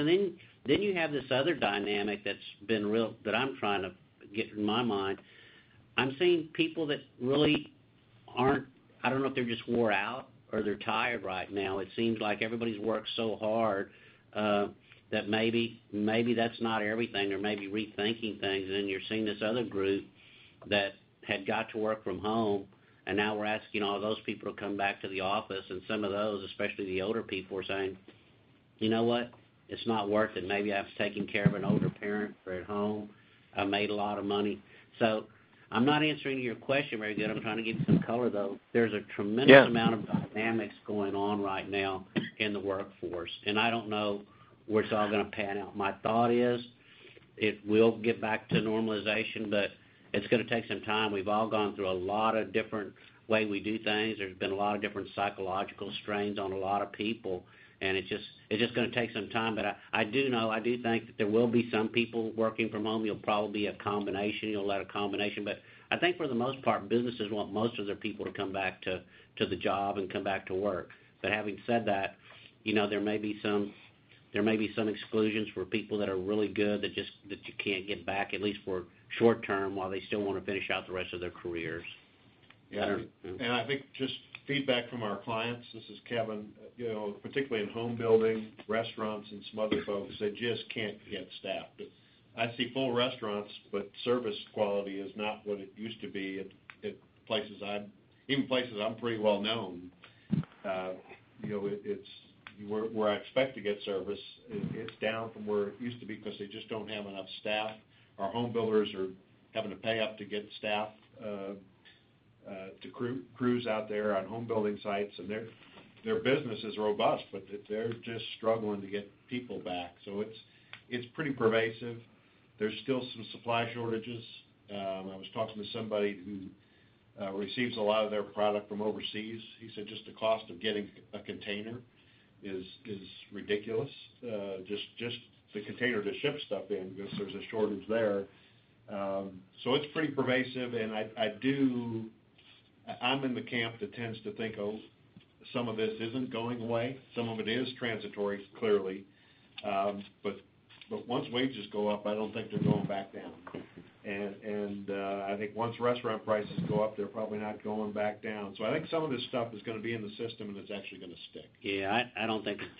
You have this other dynamic that I'm trying to get through my mind. I'm seeing people that really aren't I don't know if they're just wore out or they're tired right now. It seems like everybody's worked so hard, that maybe that's not everything or maybe rethinking things. You're seeing this other group that had got to work from home, and now we're asking all those people to come back to the office. Some of those, especially the older people, are saying, "You know what? It's not worth it. Maybe I was taking care of an older parent, or at home, I made a lot of money." I'm not answering your question very good. I'm trying to give you some color, though. Yeah. There's a tremendous amount of dynamics going on right now in the workforce. I don't know where it's all going to pan out. My thought is it will get back to normalization, but it's going to take some time. We've all gone through a lot of different way we do things. It's been a lot of different psychological strains on a lot of people, and it's just going to take some time. I do know, I do think that there will be some people working from home. It'll probably be a combination. You'll have a combination. I think for the most part, businesses want most of their people to come back to the job and come back to work. Having said that, there may be some exclusions for people that are really good that you can't get back, at least for short-term, while they still want to finish out the rest of their careers. Yeah. I think just feedback from our clients, this is Kevin. Particularly in home building, restaurants, and some other folks, they just can't get staff. I see full restaurants, but service quality is not what it used to be at places I'm pretty well known. Where I expect to get service, it's down from where it used to be because they just don't have enough staff. Our home builders are having to pay up to get crews out there on home building sites. Their business is robust, but they're just struggling to get people back. It's pretty pervasive. There's still some supply shortages. I was talking to somebody who receives a lot of their product from overseas. He said just the cost of getting a container is ridiculous. Just the container to ship stuff in because there's a shortage there. It's pretty pervasive, and I'm in the camp that tends to think, oh, some of this isn't going away. Some of it is transitory, clearly. Once wages go up, I don't think they're going back down. I think once restaurant prices go up, they're probably not going back down. I think some of this stuff is going to be in the system, and it's actually going to stick. Yeah.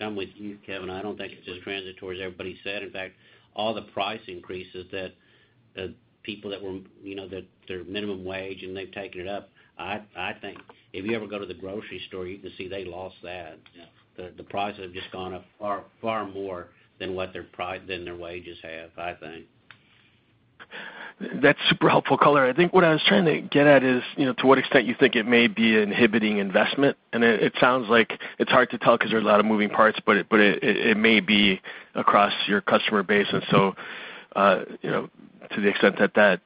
I'm with you, Kevin. I don't think it's just transitory, as everybody said. In fact, all the price increases that people that they're minimum wage, and they've taken it up. I think if you ever go to the grocery store, you can see they lost that. Yeah. The prices have just gone up far more than their wages have, I think. That's super helpful color. I think what I was trying to get at is to what extent you think it may be inhibiting investment. It sounds like it's hard to tell because there are a lot of moving parts, but it may be across your customer base. To the extent that that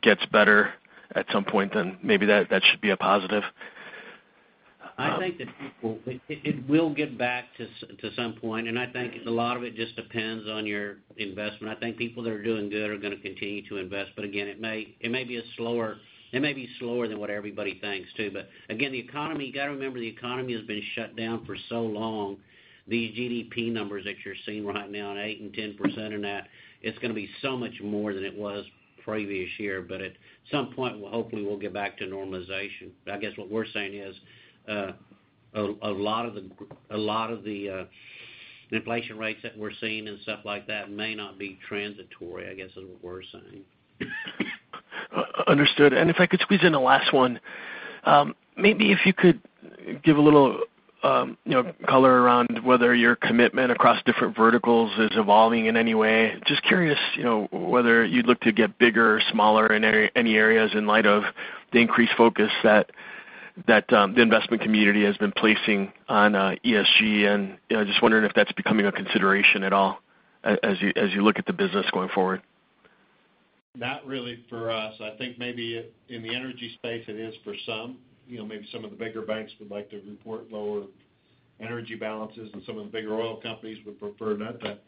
gets better at some point, maybe that should be a positive. I think that it will get back to some point. I think a lot of it just depends on your investment. I think people that are doing good are going to continue to invest. Again, it may be slower than what everybody thinks, too. Again, you got to remember, the economy has been shut down for so long. These GDP numbers that you're seeing right now at 8% and 10% and that, it's going to be so much more than it was previous year. At some point, hopefully we'll get back to normalization. I guess what we're saying is, a lot of the inflation rates that we're seeing and stuff like that may not be transitory, I guess is what we're saying. Understood. If I could squeeze in a last one. Maybe if you could give a little color around whether your commitment across different verticals is evolving in any way. Just curious whether you'd look to get bigger or smaller in any areas in light of the increased focus that the investment community has been placing on ESG, and just wondering if that's becoming a consideration at all as you look at the business going forward. Not really for us. I think maybe in the energy space it is for some. Maybe some of the bigger banks would like to report lower energy balances. Some of the bigger oil companies would prefer not that.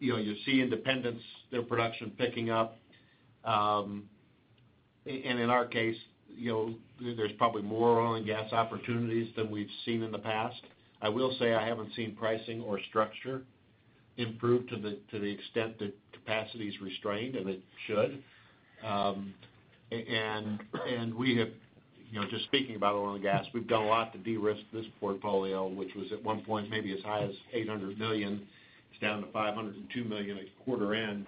You see independents, their production picking up. In our case, there's probably more oil and gas opportunities than we've seen in the past. I will say I haven't seen pricing or structure improve to the extent that capacity is restrained, and it should. Just speaking about oil and gas, we've done a lot to de-risk this portfolio, which was at one point maybe as high as $800 million. It's down to $502 million at quarter end.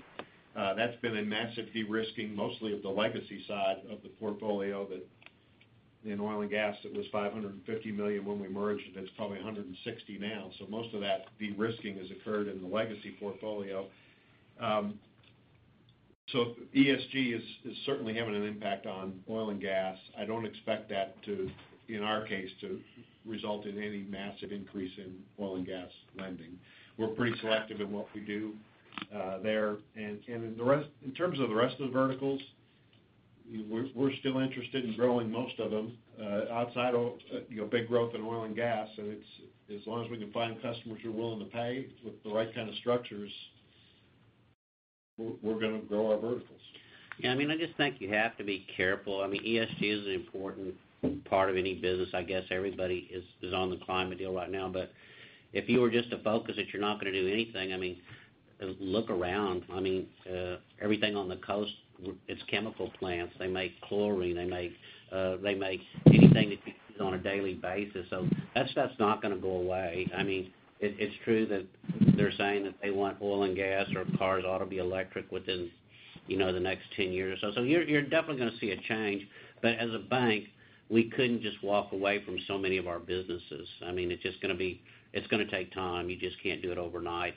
That's been a massive de-risking, mostly of the legacy side of the portfolio that in oil and gas, it was $550 million when we merged, and it's probably $160 million now. Most of that de-risking has occurred in the legacy portfolio. ESG is certainly having an impact on oil and gas. I don't expect that to, in our case, to result in any massive increase in oil and gas lending. We're pretty selective in what we do there. In terms of the rest of the verticals, we're still interested in growing most of them. Outside of big growth in oil and gas, as long as we can find customers who are willing to pay with the right kind of structures, we're going to grow our verticals. Yeah, I just think you have to be careful. ESG is an important part of any business. I guess everybody is on the climate deal right now. If you were just to focus that you're not going to do anything, look around, everything on the coast, it's chemical plants. They make chlorine. They make anything that you use on a daily basis. That stuff's not going to go away. It's true that they're saying that they want oil and gas, or cars ought to be electric within the next 10 years or so. You're definitely going to see a change. As a bank, we couldn't just walk away from so many of our businesses. It's going to take time. You just can't do it overnight.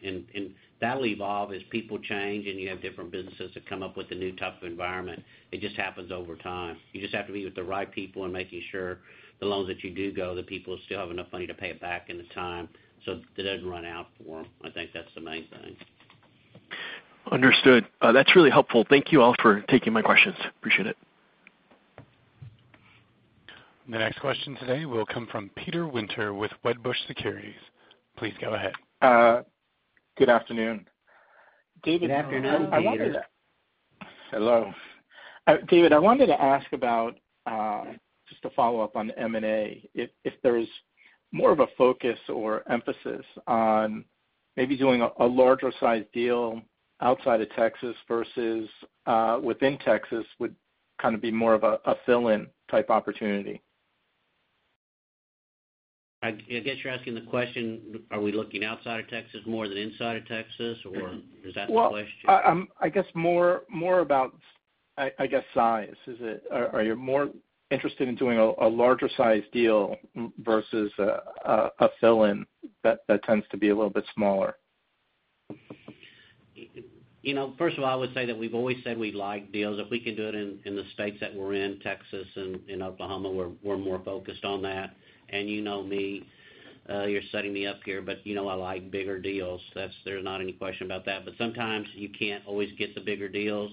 That'll evolve as people change and you have different businesses that come up with a new type of environment. It just happens over time. You just have to be with the right people and making sure the loans that you do go, the people still have enough money to pay it back in the time so that it doesn't run out for them. I think that's the main thing. Understood. That's really helpful. Thank you all for taking my questions. Appreciate it. The next question today will come from Peter Winter with Wedbush Securities. Please go ahead. Good afternoon. Peter, good afternoon. Hello. David, I wanted to ask about, just a follow-up on the M&A. If there's more of a focus or emphasis on maybe doing a larger size deal outside of Texas versus within Texas would kind of be more of a fill-in type opportunity. I guess you're asking the question, are we looking outside of Texas more than inside of Texas, or is that the question? Well, I guess more about size. Are you more interested in doing a larger size deal versus a fill-in that tends to be a little bit smaller? First of all, I would say that we've always said we like deals. If we can do it in the states that we're in, Texas and Oklahoma, we're more focused on that. You know me, you're setting me up here, but you know I like bigger deals. There's not any question about that. Sometimes you can't always get the bigger deals.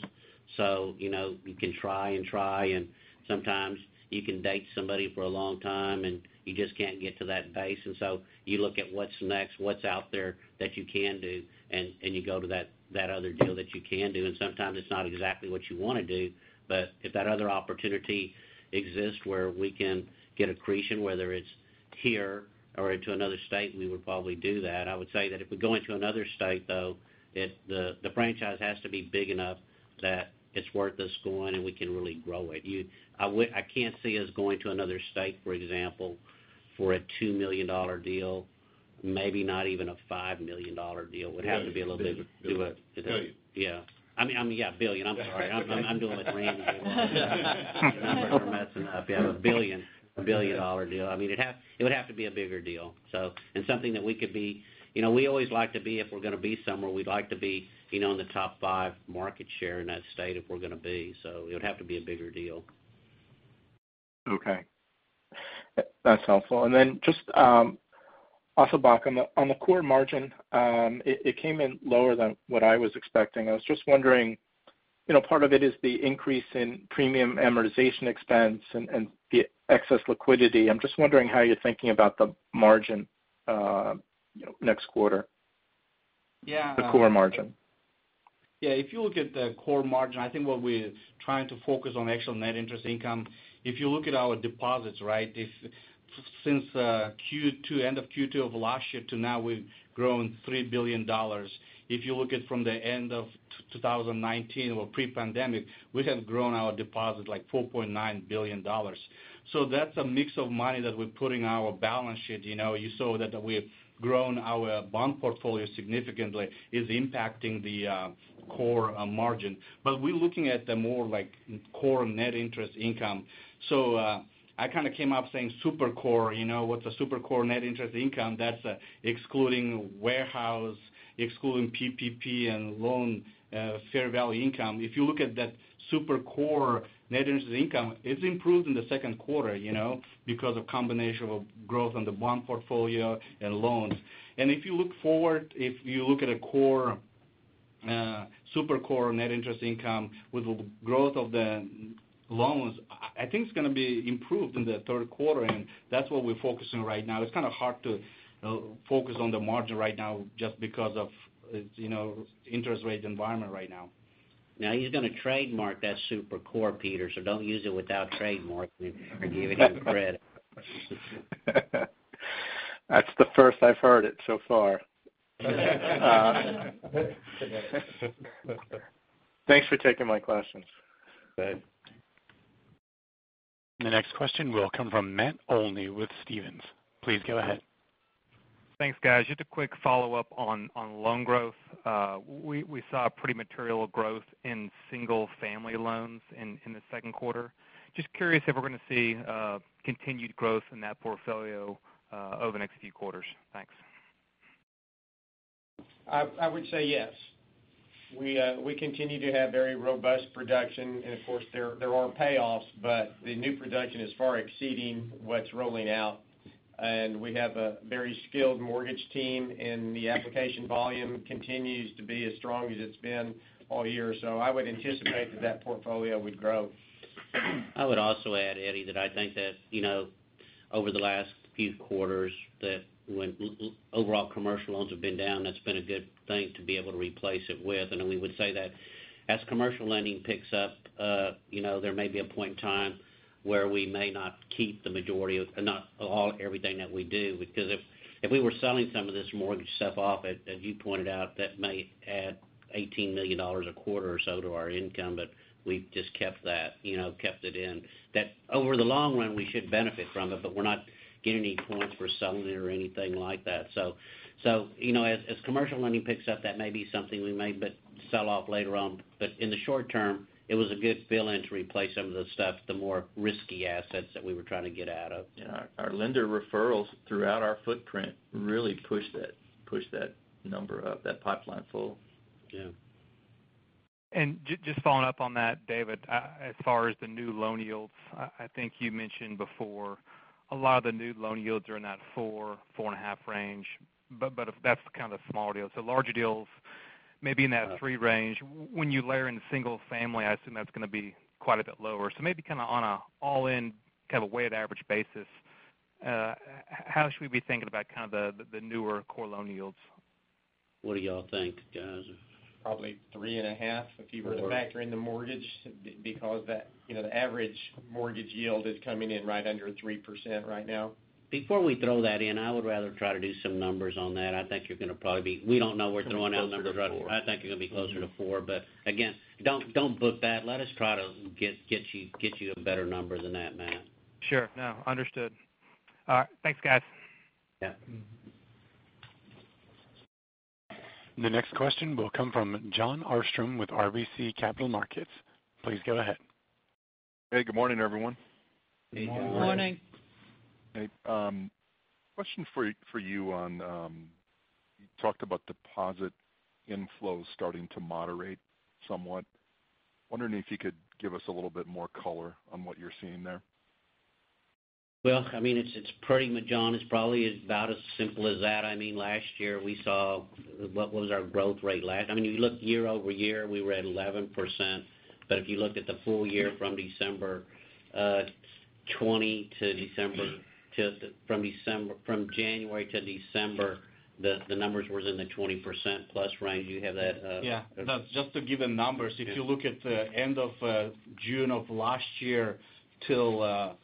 You can try and try, and sometimes you can date somebody for a long time, and you just can't get to that base. You look at what's next, what's out there that you can do, and you go to that other deal that you can do. Sometimes it's not exactly what you want to do. If that other opportunity exists where we can get accretion, whether it's here or into another state, we would probably do that. I would say that if we go into another state, though, the franchise has to be big enough that it's worth us going and we can really grow it. I can't see us going to another state, for example, for a $2 million deal. Maybe not even a $5 million deal. Would have to be a little bit. Billion. Yeah. I mean, yeah, billion. I'm sorry. I'm doing the grant now. Numbers are messing up. Yeah, a $1 billion deal. It would have to be a bigger deal. We always like to be, if we're going to be somewhere, we'd like to be in the top five market share in that state if we're going to be. It would have to be a bigger deal. Okay. That's helpful. Just also, Asylbek, on the core margin, it came in lower than what I was expecting. I was just wondering, part of it is the increase in premium amortization expense and the excess liquidity. I'm just wondering how you're thinking about the margin next quarter. Yeah. The core margin. Yeah, if you look at the core margin, I think what we're trying to focus on actual net interest income. If you look at our deposits, right, since end of Q2 of last year to now, we've grown $3 billion. If you look at from the end of 2019 or pre-pandemic, we have grown our deposit like $4.9 billion. That's a mix of money that we're putting our balance sheet. You saw that we've grown our bond portfolio significantly, is impacting the core margin. We're looking at the more core net interest income. I kind of came up saying super core. What's a super core net interest income? That's excluding warehouse, excluding PPP, and loan fair value income. If you look at that super core net interest income, it's improved in the second quarter because of combination of growth on the bond portfolio and loans. If you look forward, if you look at a super core net interest income with the growth of the loans, I think it's going to be improved in the third quarter, and that's what we're focusing right now. It's kind of hard to focus on the margin right now just because of interest rate environment right now. Now he's going to trademark that super core, Peter, so don't use it without trademarking or giving him credit. That's the first I've heard it so far. Thanks for taking my questions. Good. The next question will come from Matt Olney with Stephens. Please go ahead. Thanks, guys. Just a quick follow-up on loan growth. We saw a pretty material growth in single-family loans in the second quarter. Just curious if we're going to see continued growth in that portfolio over the next few quarters. Thanks. I would say yes. We continue to have very robust production, of course, there are payoffs, the new production is far exceeding what's rolling out. We have a very skilled mortgage team, and the application volume continues to be as strong as it's been all year. I would anticipate that that portfolio would grow. I would also add, Eddie, that I think that over the last few quarters, that when overall commercial loans have been down, that's been a good thing to be able to replace it with. Then we would say that as commercial lending picks up, there may be a point in time where we may not keep the majority of, not all, everything that we do, because if we were selling some of this mortgage stuff off, as you pointed out, that may add $18 million a quarter or so to our income. We've just kept it in. That over the long run, we should benefit from it, but we're not getting any points for selling it or anything like that. As commercial lending picks up, that may be something we may sell off later on. In the short-term, it was a good fill-in to replace some of the stuff, the more risky assets that we were trying to get out of. Yeah. Our lender referrals throughout our footprint really pushed that number up, that pipeline full. Yeah. Just following up on that, David, as far as the new loan yields, I think you mentioned before, a lot of the new loan yields are in that 4.5% range. That's kind of small deals. Larger deals, maybe in that 3% range. When you layer in the single family, I assume that's going to be quite a bit lower. Maybe on an all-in kind of a weighted average basis, how should we be thinking about the newer core loan yields? What do y'all think, guys? Probably 3.5% If you were to factor in the mortgage, because the average mortgage yield is coming in right under 3% right now. Before we throw that in, I would rather try to do some numbers on that. I think you're going to probably be, we don't know we're throwing out numbers right now. I think you're going to be closer to four, but again, don't book that. Let us try to get you a better number than that, Matt. Sure. No, understood. All right. Thanks, guys. Yeah. The next question will come from Jon Arfstrom with RBC Capital Markets. Please go ahead. Hey, good morning, everyone. Good morning. Morning. Hey. Question for you on, you talked about deposit inflows starting to moderate somewhat. Wondering if you could give us a little bit more color on what you're seeing there? Well, Jon, it's probably about as simple as that. If you look year-over-year, we were at 11%, but if you looked at the full year from January to December, the numbers was in the 20%+ range. Do you have that? Yeah. Just to give the numbers, if you look at the end of June of last year till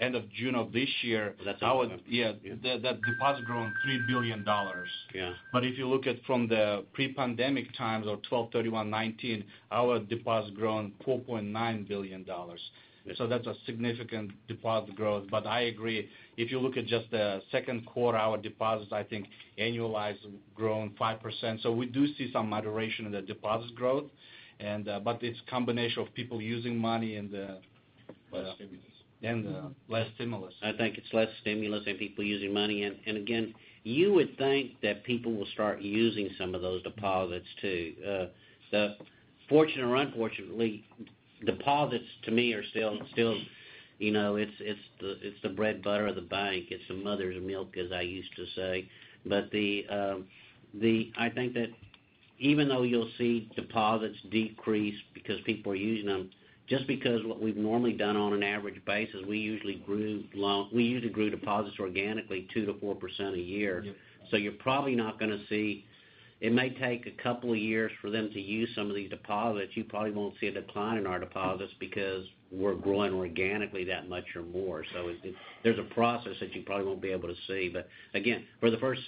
end of June of this year. That's how. Yeah. The deposit grown $3 billion. Yeah. If you look at from the pre-pandemic times or 12/31/2019, our deposit grown $4.9 billion. Yeah. That's a significant deposit growth. I agree, if you look at just the second quarter, our deposits, I think, annualized grown 5%. We do see some moderation in the deposits growth, but it's combination of people using money. Less stimulus. Less stimulus. I think it's less stimulus and people using money. Again, you would think that people will start using some of those deposits too. Fortunately or unfortunately, deposits to me are still, it's the bread butter of the bank. It's the mother's milk, as I used to say. I think that even though you'll see deposits decrease because people are using them, just because what we've normally done on an average basis, we usually grew deposits organically 2%-4% a year. Yeah. It may take a couple of years for them to use some of these deposits. You probably won't see a decline in our deposits because we're growing organically that much or more. There's a process that you probably won't be able to see. Again, for the first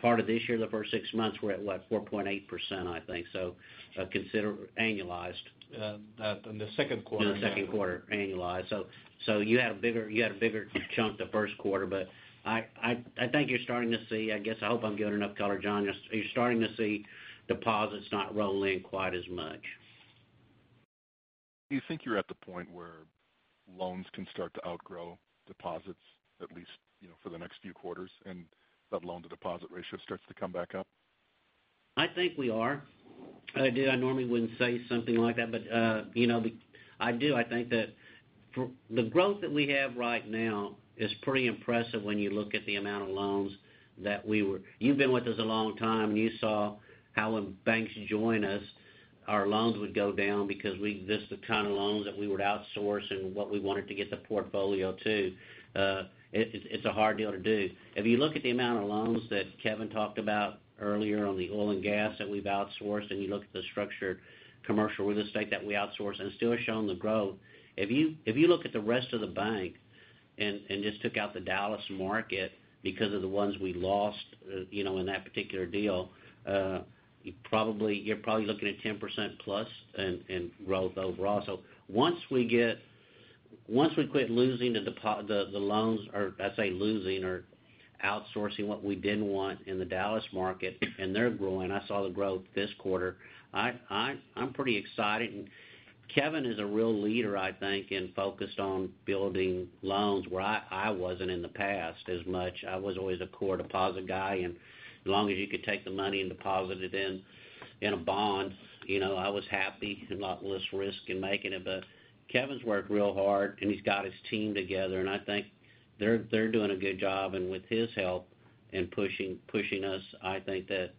part of this year, the first six months, we're at what? 4.8%, I think, annualized. In the second quarter. In the second quarter, annualized. You had a bigger chunk the first quarter, but I think you're starting to see, I guess, I hope I'm giving enough color, Jon. You're starting to see deposits not roll in quite as much. Do you think you're at the point where loans can start to outgrow deposits, at least for the next few quarters, and that loan-to-deposit ratio starts to come back up? I think we are. I normally wouldn't say something like that, but I do. I think that the growth that we have right now is pretty impressive when you look at the amount of loans. You've been with us a long time, and you saw how when banks join us, our loans would go down because these are the kind of loans that we would outsource and what we wanted to get the portfolio to. It's a hard deal to do. If you look at the amount of loans that Kevin talked about earlier on the oil and gas that we've outsourced, and you look at the structured commercial real estate that we outsource. It's still showing the growth. If you look at the rest of the bank and just took out the Dallas market because of the ones we lost in that particular deal, you're probably looking at 10%+ in growth overall. Once we quit losing the loans, or I say losing or outsourcing what we didn't want in the Dallas market, and they're growing. I saw the growth this quarter. I'm pretty excited and Kevin is a real leader, I think, and focused on building loans where I wasn't in the past as much. I was always a core deposit guy, and as long as you could take the money and deposit it in a bond, I was happy. There's a lot less risk in making it. Kevin's worked real hard, and he's got his team together, and I think they're doing a good job. With his help in pushing us, I think that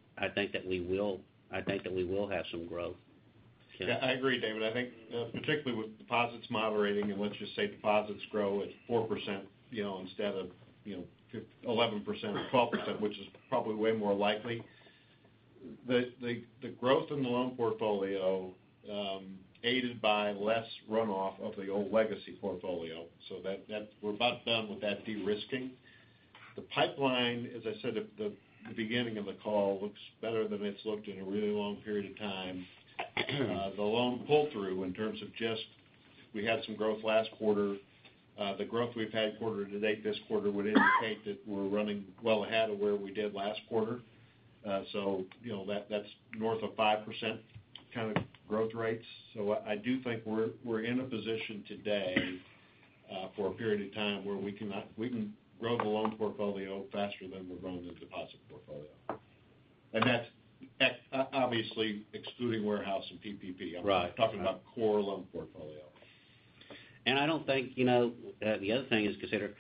we will have some growth. Yeah, I agree, David. I think particularly with deposits moderating, and let's just say deposits grow at 4% instead of 11% or 12%, which is probably way more likely, the growth in the loan portfolio, aided by less runoff of the old legacy portfolio. That we're about done with that de-risking. The pipeline, as I said at the beginning of the call, looks better than it's looked in a really long period of time. The loan pull-through in terms of just, we had some growth last quarter. The growth we've had quarter to date this quarter would indicate that we're running well ahead of where we did last quarter. That's north of 5% kind of growth rates. I do think we're in a position today for a period of time where we can grow the loan portfolio faster than we're growing the deposit portfolio. That's obviously excluding warehouse and PPP. Right. I'm talking about core loan portfolio. I don't think, the other thing is consider,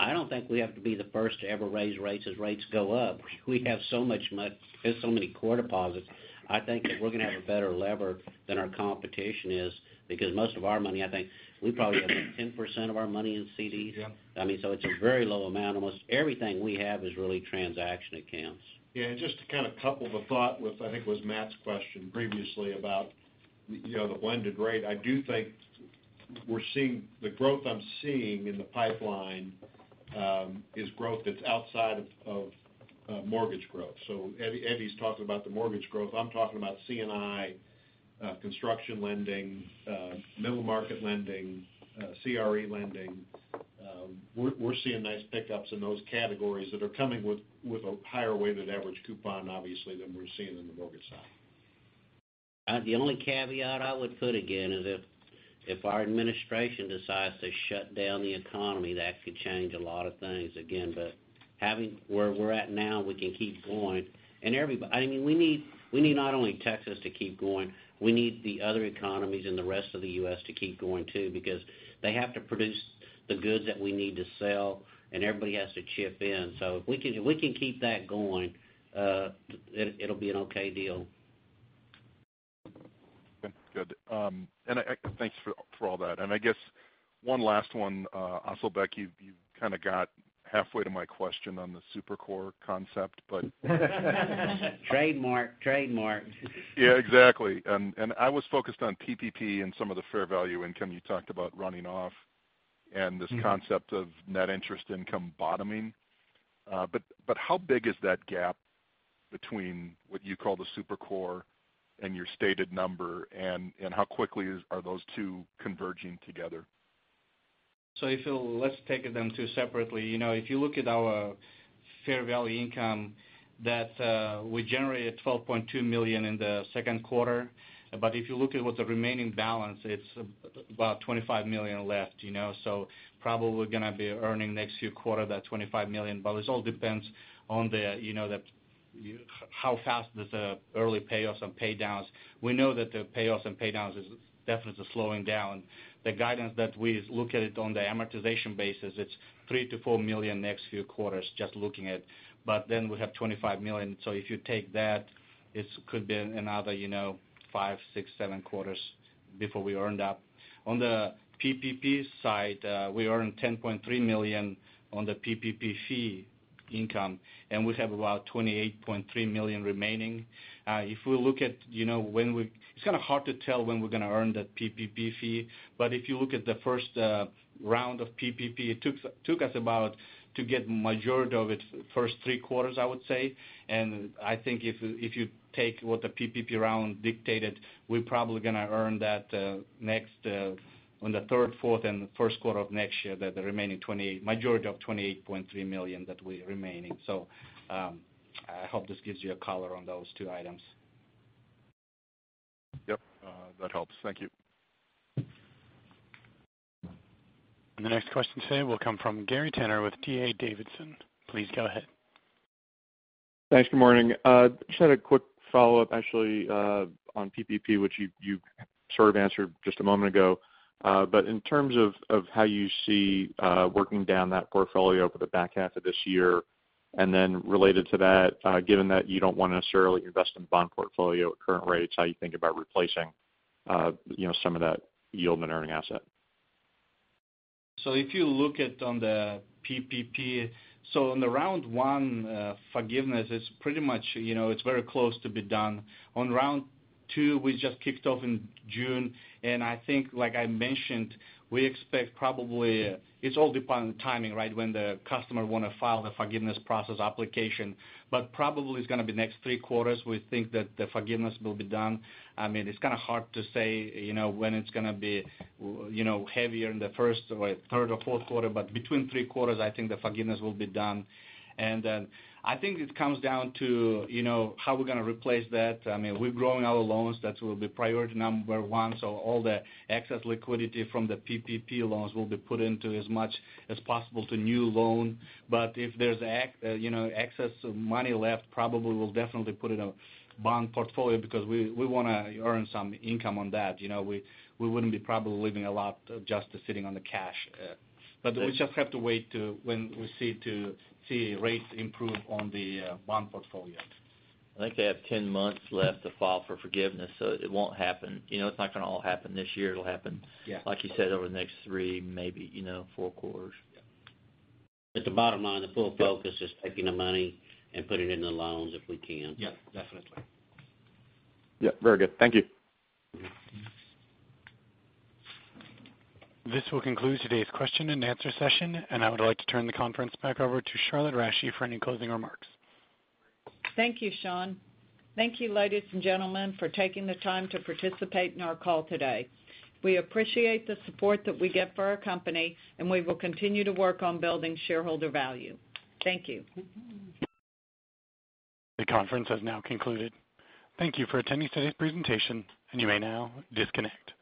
I don't think we have to be the first to ever raise rates as rates go up. We have so many core deposits. I think that we're going to have a better lever than our competition is, because most of our money, I think, we probably have, like, 10% of our money in CDs. Yep. It's a very low amount. Almost everything we have is really transaction accounts. Just to kind of couple the thought with, I think it was Matt's question previously about the blended rate. I do think the growth I'm seeing in the pipeline is growth that's outside of mortgage growth. Eddie's talking about the mortgage growth. I'm talking about C&I, construction lending, middle market lending, CRE lending. We're seeing nice pickups in those categories that are coming with a higher weighted average coupon, obviously, than we're seeing in the mortgage side. The only caveat I would put again is if our administration decides to shut down the economy, that could change a lot of things again. Where we're at now, we can keep going. We need not only Texas to keep going. We need the other economies in the rest of the U.S. to keep going too, because they have to produce the goods that we need to sell, and everybody has to chip in. If we can keep that going, it'll be an okay deal. Good. Thanks for all that. I guess one last one. Asylbek, you kind of got halfway to my question on the super core concept. Trademark. Yeah, exactly. I was focused on PPP and some of the fair value income you talked about running off and this concept of net interest income bottoming. How big is that gap between what you call the super core and your stated number, and how quickly are those two converging together? Let's take them two separately. If you look at our fair value income that we generated $12.2 million in the second quarter. If you look at what the remaining balance, it's about $25 million left. Probably going to be earning next few quarter that $25 million, but it all depends on how fast does the early payoffs and pay-downs. We know that the payoffs and pay-downs is definitely slowing down. The guidance that we look at it on the amortization basis, it's $3 million-$4 million next few quarters, just looking at. We have $25 million. If you take that, it could be another five, six, seven quarters before we earn that. On the PPP side, we earn $10.3 million on the PPP fee income, and we have about $28.3 million remaining. If we look at It's kind of hard to tell when we're going to earn that PPP fee, but if you look at the first round of PPP, it took us about to get majority of it first three quarters, I would say. I think if you take what the PPP round dictated, we're probably going to earn that on the third, fourth, and first quarter of next year, the remaining majority of $28.3 million that we remaining. I hope this gives you a color on those two items. Yep. That helps. Thank you. The next question today will come from Gary Tenner with D.A. Davidson. Please go ahead. Thanks. Good morning. Just had a quick follow-up actually on PPP, which you sort of answered just a moment ago. In terms of how you see working down that portfolio for the back half of this year, and then related to that, given that you don't want to necessarily invest in bond portfolio at current rates, how you think about replacing some of that yield and earning asset? If you look at on the PPP, on the round one forgiveness, it's very close to be done. Round two, we just kicked off in June, and I think, like I mentioned, we expect probably it's all dependent on timing, right? When the customer want to file the forgiveness process application. Probably it's going to be next three quarters, we think that the forgiveness will be done. It's kind of hard to say when it's going to be heavier in the first or third or fourth quarter, but between three quarters, I think the forgiveness will be done. I think it comes down to how we're going to replace that. We're growing our loans. That will be priority number one. All the excess liquidity from the PPP loans will be put into as much as possible to new loan. If there's excess money left, probably we'll definitely put in a bond portfolio because we want to earn some income on that. We wouldn't be probably leaving a lot just sitting on the cash. We just have to wait to when we see rates improve on the bond portfolio. I think they have 10 months left to file for forgiveness, so it won't happen. It's not going to all happen this year. Yeah. Like you said, over the next three, maybe four quarters. Yeah. The bottom line, the full focus is taking the money and putting it in the loans if we can. Yep, definitely. Yep, very good. Thank you. This will conclude today's question and answer session. I would like to turn the conference back over to Charlotte Rasche for any closing remarks. Thank you, Sean. Thank you, ladies and gentlemen, for taking the time to participate in our call today. We appreciate the support that we get for our company, and we will continue to work on building shareholder value. Thank you. The conference has now concluded. Thank you for attending today's presentation. You may now disconnect.